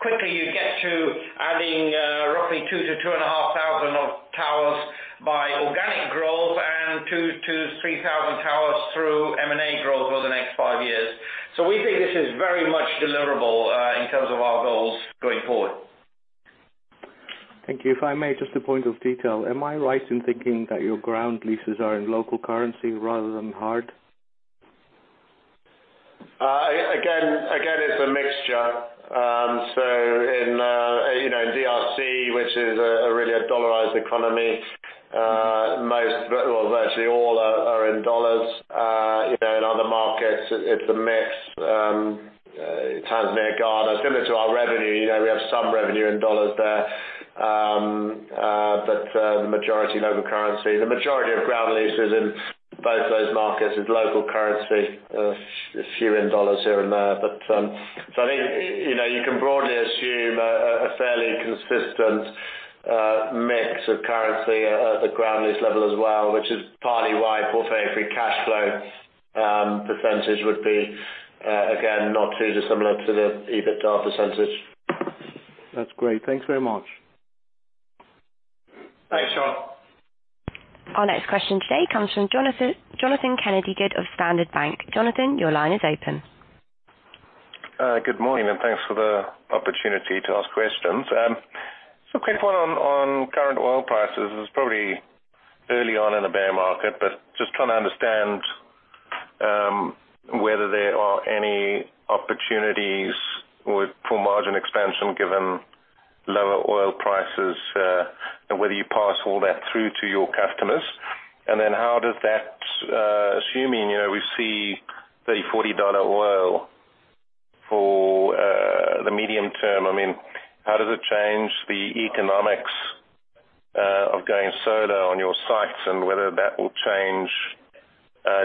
Quickly you get to adding roughly 2,000-2,500 of towers by organic growth and 2,000-3,000 towers through M&A growth over the next five years. We think this is very much deliverable in terms of our goals going forward.
Thank you. If I may, just a point of detail. Am I right in thinking that your ground leases are in local currency rather than hard?
Again, it's a mixture. In DRC, which is really a dollarized economy, virtually all are in dollars. In other markets, it's a mix. Tanzania, Ghana, similar to our revenue, we have some revenue in dollars there. The majority local currency. The majority of ground leases in both those markets is local currency. A few in dollars here and there. I think you can broadly assume a fairly consistent mix of currency at the ground lease level as well, which is partly why portfolio free cash flow percentage would be, again, not too dissimilar to the EBITDA percentage.
That's great. Thanks very much.
Thanks, John.
Our next question today comes from Jonathan Kennedy-Good of Standard Bank. Jonathan, your line is open.
Good morning, and thanks for the opportunity to ask questions. Quick one on current oil prices. It's probably early on in the bear market, but just trying to understand whether there are any opportunities for margin expansion, given lower oil prices, and whether you pass all that through to your customers. How does that, assuming we see $30, $40 oil for the medium term, how does it change the economics of going solar on your sites, and whether that will change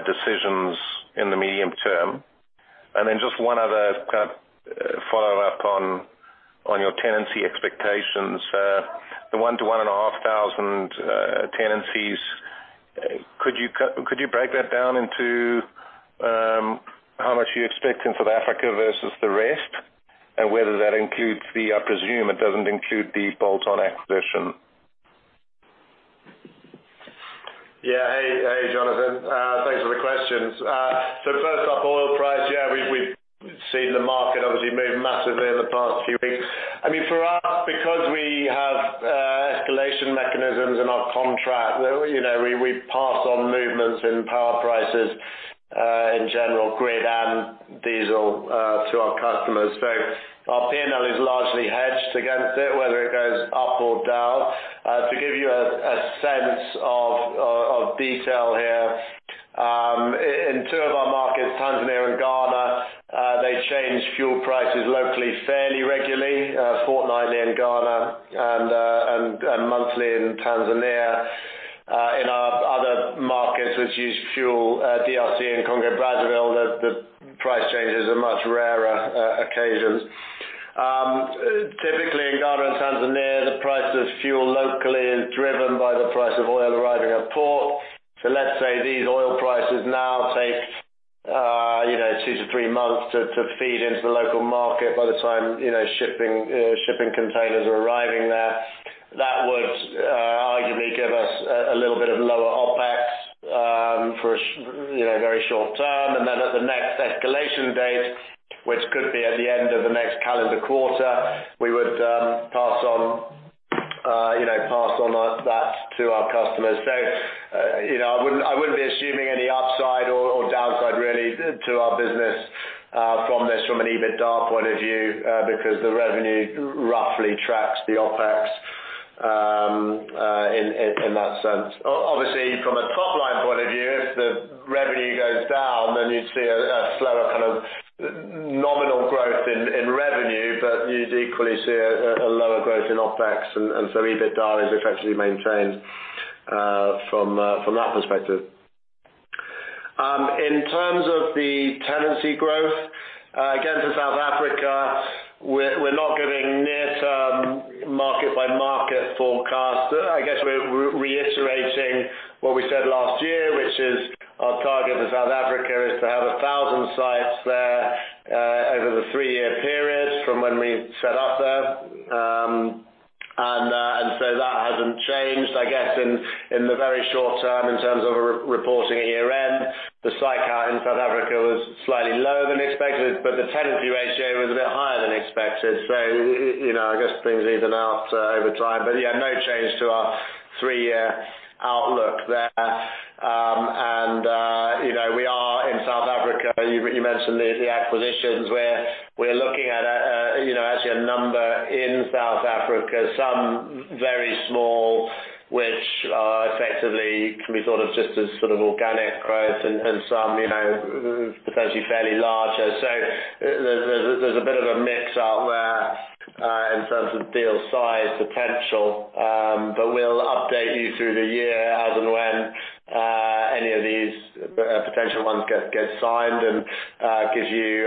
decisions in the medium term? Just one other follow-up on your tenancy expectations. The 1,000-1,500 tenancies, could you break that down into how much you expect in South Africa versus the rest, and whether that includes the, I presume, it doesn't include the bolt-on acquisition.
Hey, Jonathan. Thanks for the questions. First off, oil price. We've seen the market obviously move massively in the past few weeks. For us, because we have escalation mechanisms in our contract, we pass on movements in power prices, in general, grid and diesel, to our customers. Our P&L is largely hedged against it, whether it goes up or down. To give you a sense of detail here. In two of our markets, Tanzania and Ghana, they change fuel prices locally, fairly regularly, fortnightly in Ghana and monthly in Tanzania. In our other markets, which use fuel, DRC and Congo, Brazzaville, the price changes are much rarer occasions. Typically, in Ghana and Tanzania, the price of fuel locally is driven by the price of oil arriving at port. Let's say these oil prices now take two to three months to feed into the local market by the time shipping containers are arriving there. That would arguably give us a little bit of lower OpEx for a very short term, and then at the next escalation date, which could be at the end of the next calendar quarter, we would pass on that to our customers. I wouldn't be assuming any upside or downside really to our business from this from an EBITDA point of view, because the revenue roughly tracks the OpEx in that sense. Obviously, from a top-line point of view, if the revenue goes down, then you'd see a slower nominal growth in revenue, but you'd equally see a lower growth in OpEx, and so EBITDA is effectively maintained from that perspective. In terms of the tenancy growth, again, for South Africa, we're not giving near-term market-by-market forecast. I guess we're reiterating what we said last year, which is our target for South Africa is to have 1,000 sites there over the three-year period from when we set up there. That hasn't changed. I guess in the very short term, in terms of reporting at year-end, the site count in South Africa was slightly lower than expected, but the tenancy ratio was a bit higher than expected. I guess things even out over time. Yeah, no change to our three-year outlook there. We are in South Africa, you mentioned the acquisitions, we're looking at actually a number in South Africa, some very small, which effectively can be thought of just as organic growth and some potentially fairly larger. There's a bit of a mix out there in terms of deal size potential, but we'll update you through the year as and when any of these potential ones get signed and give you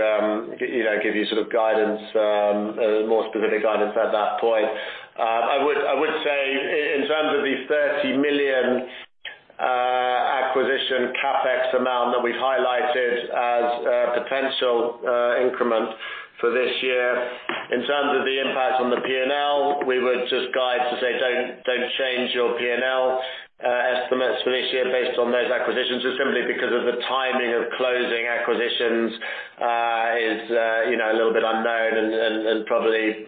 more specific guidance at that point. I would say in terms of the $30 million acquisition CapEx amount that we highlighted as a potential increment for this year, in terms of the impact on the P&L, we would just guide to say, "Don't change your P&L estimates for this year based on those acquisitions." Just simply because of the timing of closing acquisitions is a little bit unknown and probably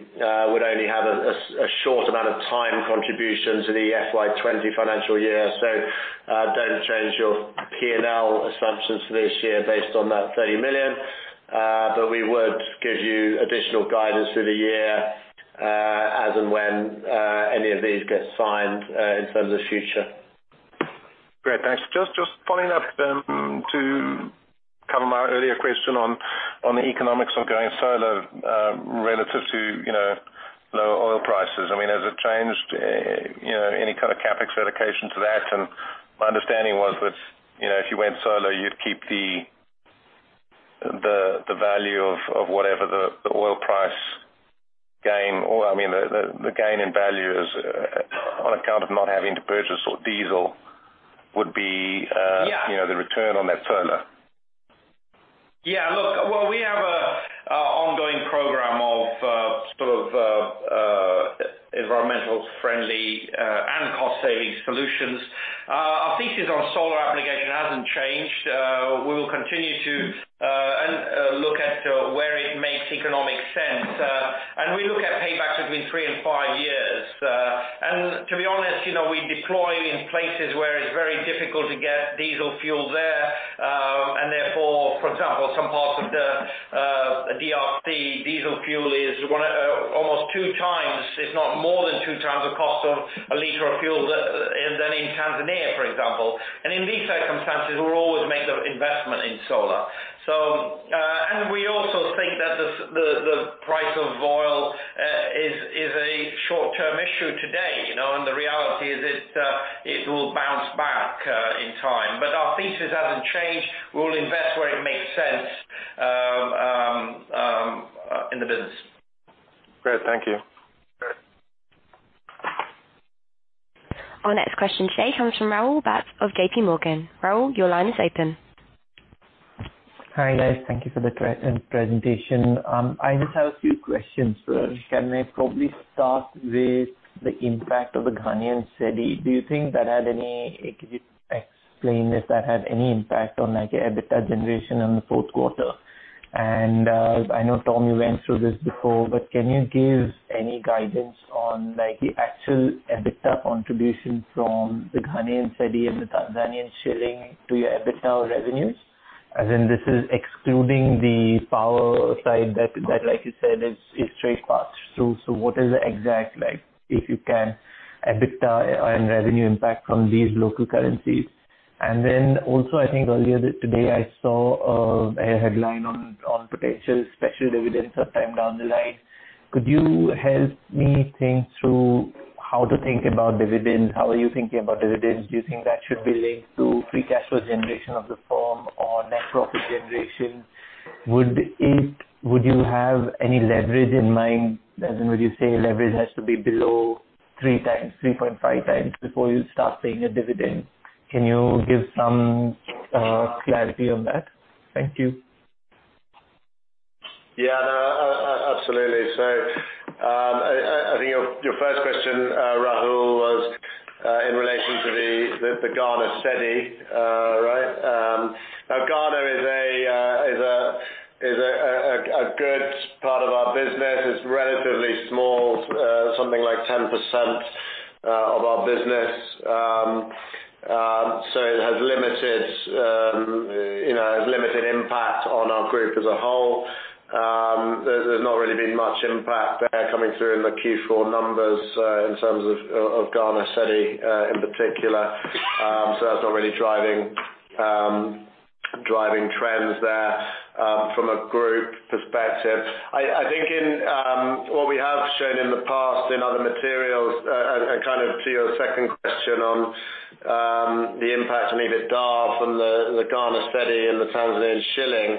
would only have a short amount of time contribution to the FY 2020 financial year. Don't change your P&L assumptions for this year based on that $30 million. We would give you additional guidance through the year, as and when any of these get signed, in terms of the future.
Great, thanks. Just following up then to cover my earlier question on the economics of going solar, relative to lower oil prices. Has it changed any kind of CapEx allocation to that? My understanding was that if you went solar, you'd keep the value of whatever the oil price gain, or, the gain in value is on account of not having to purchase diesel would be.
Yeah
the return on that solar.
Yeah. Look, well, we have a ongoing program of environmentally friendly, and cost-savings solutions. Our thesis on solar application hasn't changed. We will continue. In three and five years. To be honest, we deploy in places where it's very difficult to get diesel fuel there. Therefore, for example, some parts of the DRC, diesel fuel is almost two times, if not more than two times, the cost of a liter of fuel than in Tanzania, for example. In these circumstances, we'll always make the investment in solar. We also think that the price of oil is a short-term issue today. The reality is it will bounce back in time. Our thesis hasn't changed. We will invest where it makes sense in the business.
Great. Thank you.
Great.
Our next question today comes from Rahul Bhat of JPMorgan. Rahul, your line is open.
Hi, guys. Thank you for the presentation. I just have a few questions. Can I probably start with the impact of the Ghanaian cedi? Can you explain if that had any impact on your EBITDA generation in the fourth quarter? I know, Tom, you went through this before, but can you give any guidance on the actual EBITDA contribution from the Ghanaian cedi and the Tanzanian shilling to your EBITDA revenues? As in, this is excluding the power side that, like you said, is straight passed through. What is the exact, if you can, EBITDA and revenue impact from these local currencies? Also, I think earlier today, I saw a headline on potential special dividends sometime down the line. Could you help me think through how to think about dividends? How are you thinking about dividends? Do you think that should be linked to free cash flow generation of the firm or net profit generation? Would you have any leverage in mind? As in, would you say leverage has to be below three times, 3.5 times, before you start paying a dividend? Can you give some clarity on that? Thank you.
Yeah. No, absolutely. I think your first question, Rahul, was in relation to the Ghanaian cedi, right? Ghana is a good part of our business. It's relatively small, something like 10% of our business. It has limited impact on our group as a whole. There's not really been much impact there coming through in the Q4 numbers in terms of Ghanaian cedi in particular. That's not really driving trends there from a group perspective. I think in what we have shown in the past in other materials, and kind of to your second question on the impact on EBITDA from the Ghanaian cedi and the Tanzanian shilling,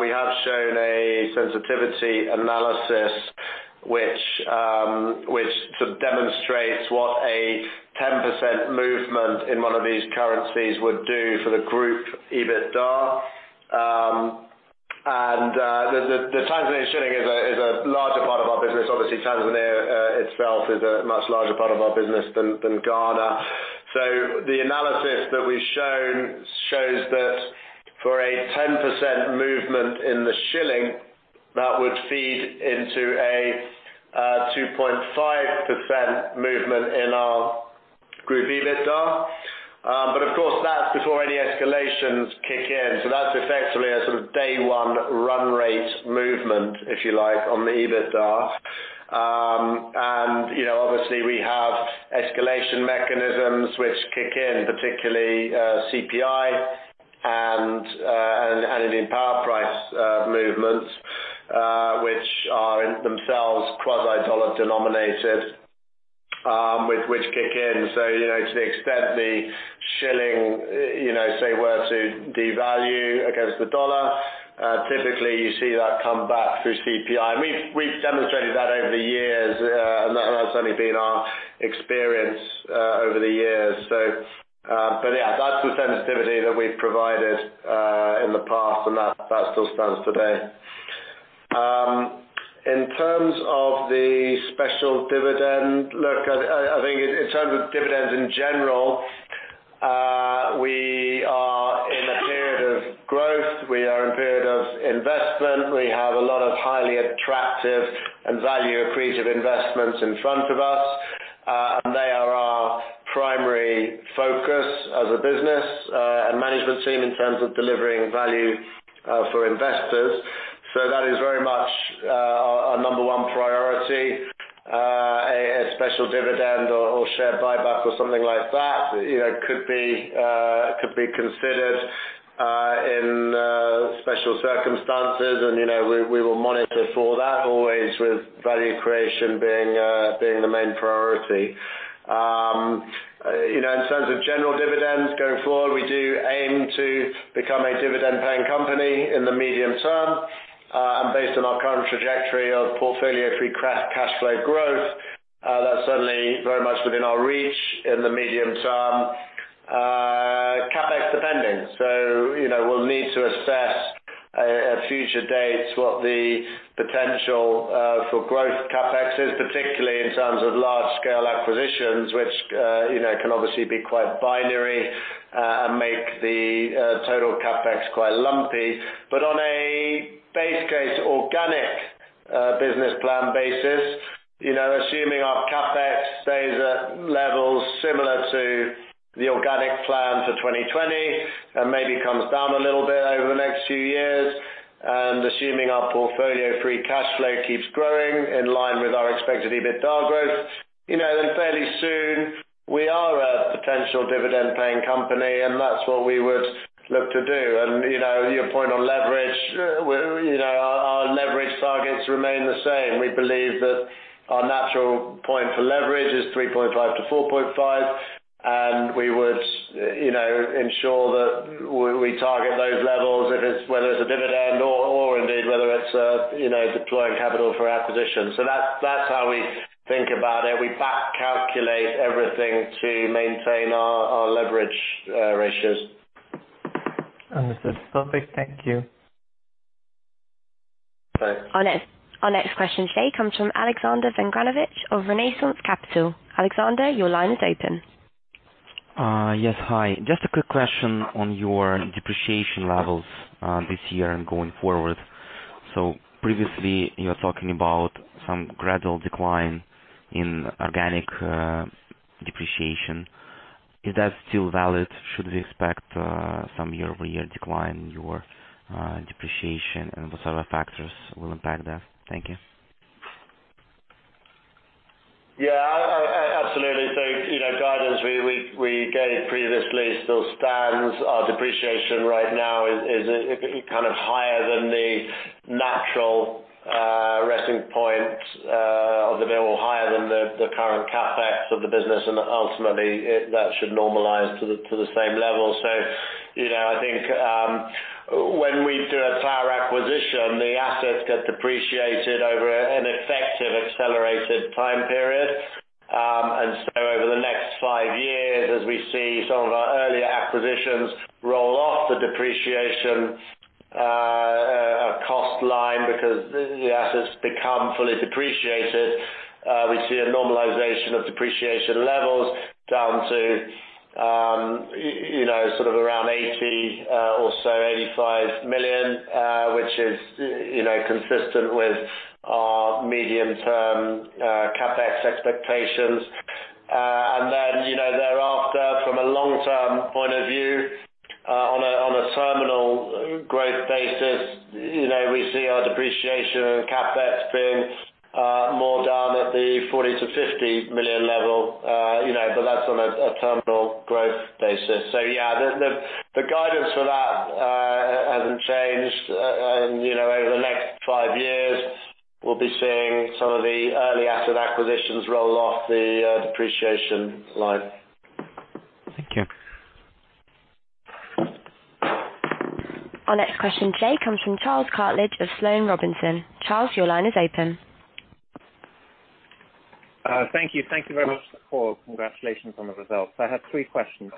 we have shown a sensitivity analysis which sort of demonstrates what a 10% movement in one of these currencies would do for the group EBITDA. The Tanzanian shilling is a larger part of our business. Tanzania itself is a much larger part of our business than Ghana. The analysis that we've shown shows that for a 10% movement in the shilling, that would feed into a 2.5% movement in our group EBITDA. Of course, that's before any escalations kick in. That's effectively a sort of day one run rate movement, if you like, on the EBITDA. We have escalation mechanisms which kick in, particularly CPI and any power price movements, which are themselves quasi-dollar denominated, which kick in. To the extent the shilling say, were to devalue against the dollar, typically you see that come back through CPI. We've demonstrated that over the years, and that's only been our experience over the years. Yeah, that's the sensitivity that we've provided in the past, and that still stands today. In terms of the special dividend, look, I think in terms of dividends in general, we are in a period of growth. We are in a period of investment. We have a lot of highly attractive and value accretive investments in front of us. They are our primary focus as a business and management team in terms of delivering value for investors. That is very much our number one priority. A special dividend or share buyback or something like that could be considered in special circumstances. We will monitor for that always with value creation being the main priority. In terms of general dividends going forward, we do aim to become a dividend-paying company in the medium term. Based on our current trajectory of portfolio free cash flow growth, that's certainly very much within our reach in the medium term. CapEx depending. We'll need to assess at a future date what the potential for growth CapEx is, particularly in terms of large-scale acquisitions, which can obviously be quite binary and make the total CapEx quite lumpy. On a base case organic business plan basis. The organic plan for 2020 maybe comes down a little bit over the next few years, and assuming our portfolio free cash flow keeps growing in line with our expected EBITDA growth, then fairly soon we are a potential dividend-paying company, and that's what we would look to do. Your point on leverage, our leverage targets remain the same. We believe that our natural point for leverage is 3.5 to 4.5, and we would ensure that we target those levels, whether it's a dividend or indeed, whether it's deploying capital for acquisitions. That's how we think about it. We back-calculate everything to maintain our leverage ratios.
Understood. Perfect. Thank you.
Okay.
Our next question today comes from Alexander Zverkovich of Renaissance Capital. Alexander, your line is open.
Yes. Hi. Just a quick question on your depreciation levels this year and going forward. Previously, you were talking about some gradual decline in organic depreciation. Is that still valid? Should we expect some year-over-year decline in your depreciation, and what other factors will impact that? Thank you.
Yeah, absolutely. The guidance we gave previously still stands. Our depreciation right now is higher than the natural resting point of the bill, or higher than the current CapEx of the business. Ultimately, that should normalize to the same level. I think when we do a tower acquisition, the assets get depreciated over an effective accelerated time period. Over the next five years, as we see some of our earlier acquisitions roll off the depreciation cost line because the assets become fully depreciated, we see a normalization of depreciation levels down to around $80 million or so, $85 million, which is consistent with our medium-term CapEx expectations. Thereafter, from a long-term point of view, on a terminal growth basis, we see our depreciation and CapEx being more down at the $40 million to $50 million level. That's on a terminal growth basis. Yeah, the guidance for that hasn't changed. Over the next five years, we'll be seeing some of the early asset acquisitions roll off the depreciation line.
Thank you.
Our next question today comes from Charles Cartledge of Sloane Robinson. Charles, your line is open.
Thank you. Thank you very much for the call. Congratulations on the results. I have three questions.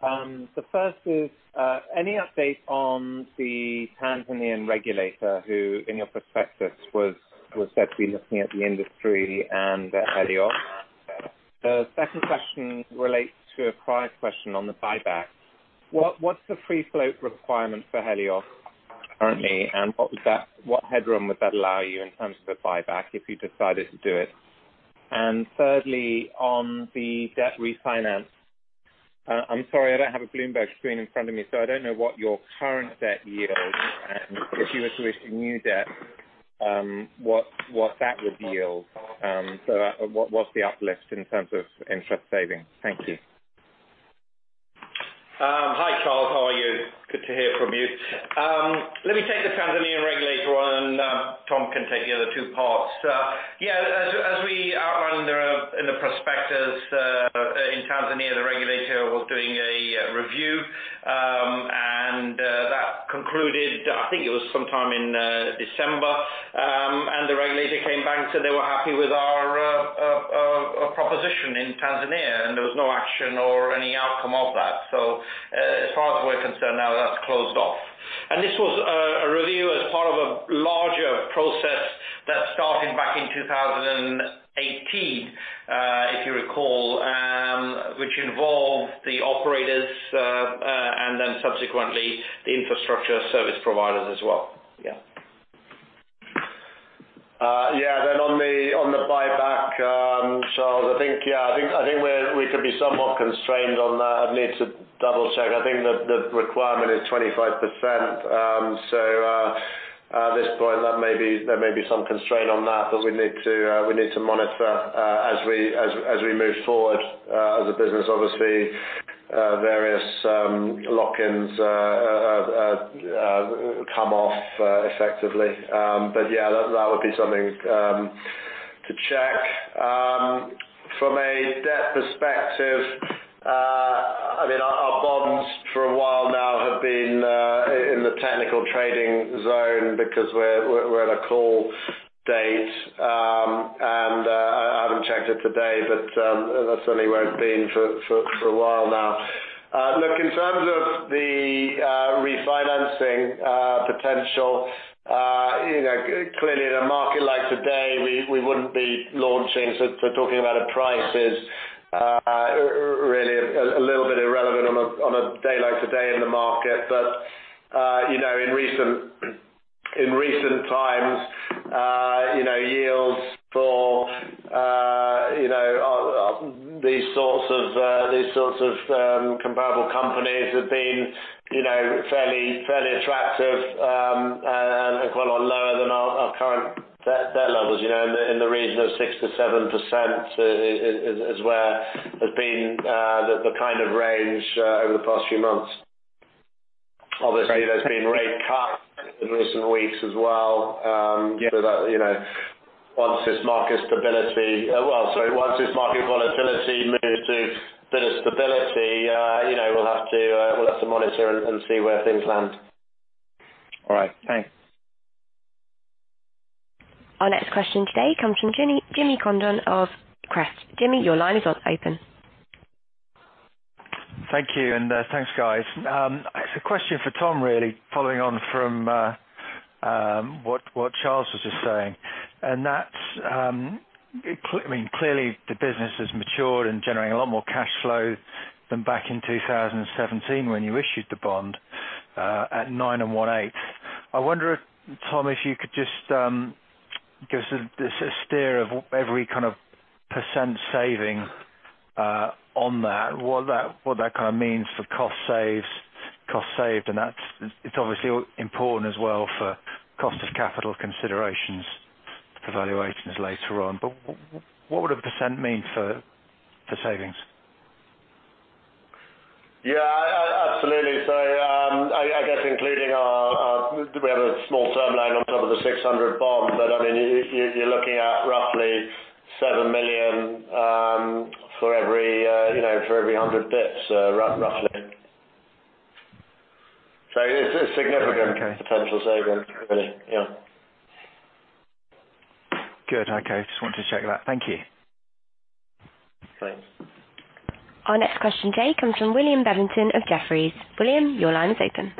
The first is, any update on the Tanzanian regulator who, in your prospectus, was said to be looking at the industry and Helios? The second question relates to a prior question on the buyback. What's the free float requirement for Helios currently, and what headroom would that allow you in terms of a buyback if you decided to do it? Thirdly, on the debt refinance. I'm sorry, I don't have a Bloomberg screen in front of me, so I don't know what your current debt yield is. If you were to issue new debt, what that would yield. What's the uplift in terms of interest saving? Thank you.
Hi, Charles. How are you? Good to hear from you. Let me take the Tanzanian regulator one, and Tom can take the other two parts. As we outlined there in the prospectus, in Tanzania, the regulator was doing a review, and that concluded, I think it was sometime in December. The regulator came back and said they were happy with our proposition in Tanzania, and there was no action or any outcome of that. As far as we're concerned now, that's closed off. This was a review as part of a larger process that started back in 2018, if you recall, which involved the operators, and then subsequently, the infrastructure service providers as well. Yeah.
Yeah. On the buyback, Charles, I think we could be somewhat constrained on that. I'd need to double-check. I think that the requirement is 25%. At this point, there may be some constraint on that, but we need to monitor as we move forward as a business. Obviously, various lock-ins have come off effectively. Yeah, that would be something to check. From a debt perspective, our bonds for a while now have been in the technical trading zone because we're at a call date. I haven't checked it today, but that's certainly where it's been for a while now. Look, in terms of the refinancing potential, clearly in a market like today, we wouldn't be launching. Talking about a price is really a little bit irrelevant on a day like today in the market. Recently, these sorts of comparable companies have been fairly attractive and quite a lot lower than our current debt levels. In the region of 6%-7% is where has been the kind of range over the past few months. Obviously, there's been rate cuts in recent weeks as well.
Yeah.
Once this market volatility moves to a bit of stability, we'll have to monitor and see where things land.
All right. Thanks.
Our next question today comes from Jimmy Condon of Crest. Jimmy, your line is open.
Thank you, thanks, guys. It's a question for Tom, really, following on from what Charles was just saying. That's, clearly the business has matured and generating a lot more cash flow than back in 2017 when you issued the bond at nine and one-eighth. I wonder if, Tom, if you could just give us a steer of every kind of % saving on that, what that kind of means for cost saved, and it's obviously important as well for cost of capital considerations for valuations later on. What would a % mean for savings?
Yeah, absolutely. I guess including we have a small term loan on top of the 600 bond, you're looking at roughly $7 million for every 100 basis points.
Okay
potential saving, really. Yeah.
Good. Okay. Just wanted to check that. Thank you.
Thanks.
Our next question today comes from William Beavington of Jefferies. William, your line is open.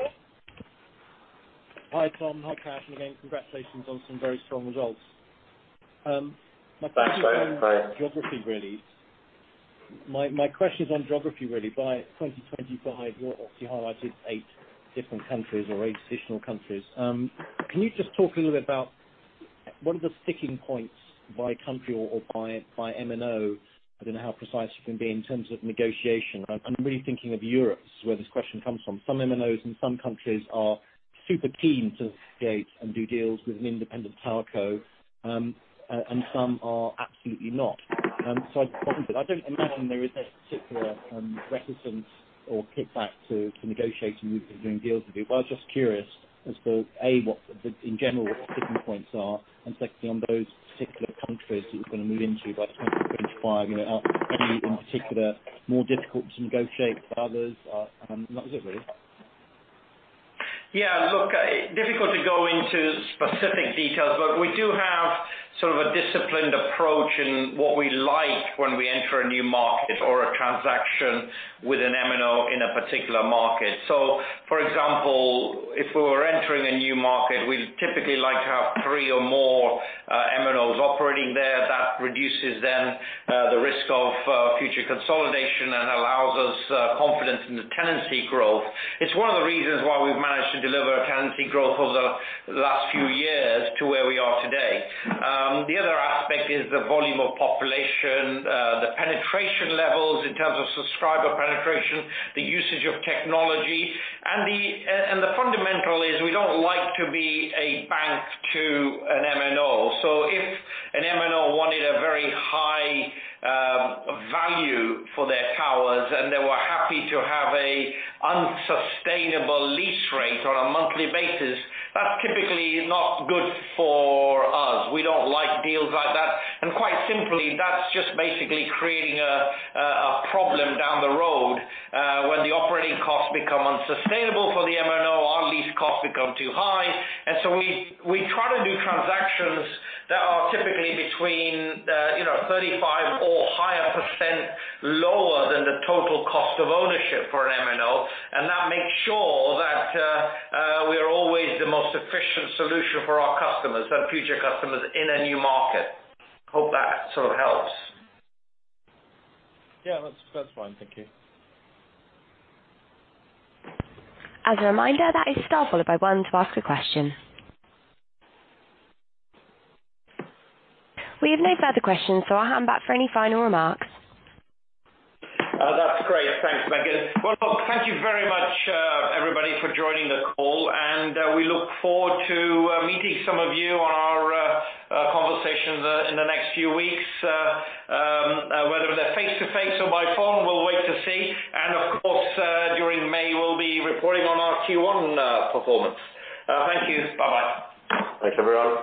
Hi, Tom. Hi, Kash. Again, congratulations on some very strong results.
Thanks.
My question on geography, really. My question is on geography, really. By 2025, you obviously highlighted eight different countries or eight additional countries. Can you just talk a little bit about what are the sticking points by country or by MNO? I don't know how precise you can be in terms of negotiation. I'm really thinking of Europe is where this question comes from. Some MNOs in some countries are super keen to negotiate and do deals with an independent TowerCo, and some are absolutely not. I just wondered, I don't imagine there is a particular reticence or kickback to negotiating with or doing deals with you. I was just curious as to, A, in general, what the sticking points are, and secondly, on those particular countries that you're going to move into by 2025, are any in particular more difficult to negotiate than others? That was it, really.
Yeah, look, difficult to go into specific details, but we do have sort of a disciplined approach in what we like when we enter a new market or a transaction with an MNO in a particular market. For example, if we were entering a new market, we typically like to have three or more MNOs operating there. That reduces then the risk of future consolidation and allows us confidence in the tenancy growth. It's one of the reasons why we've managed to deliver a tenancy growth over the last few years to where we are today. The other aspect is the volume of population, the penetration levels in terms of subscriber penetration, the usage of technology. The fundamental is we don't like to be a bank to an MNO. If an MNO wanted a very high value for their towers, and they were happy to have an unsustainable lease rate on a monthly basis, that's typically not good for us. We don't like deals like that. Quite simply, that's just basically creating a problem down the road, when the operating costs become unsustainable for the MNO, our lease costs become too high. We try to do transactions that are typically between 35% or higher lower than the total cost of ownership for an MNO. That makes sure that we are always the most efficient solution for our customers and future customers in a new market. Hope that sort of helps.
Yeah, that's fine. Thank you.
As a reminder, that is star followed by one to ask a question. We have no further questions, so I'll hand back for any final remarks.
That's great. Thanks, Megan. Well, look, thank you very much, everybody, for joining the call, and we look forward to meeting some of you on our conversations in the next few weeks, whether they're face-to-face or by phone, we'll wait to see. Of course, during May, we'll be reporting on our Q1 performance. Thank you. Bye-bye.
Thanks, everyone.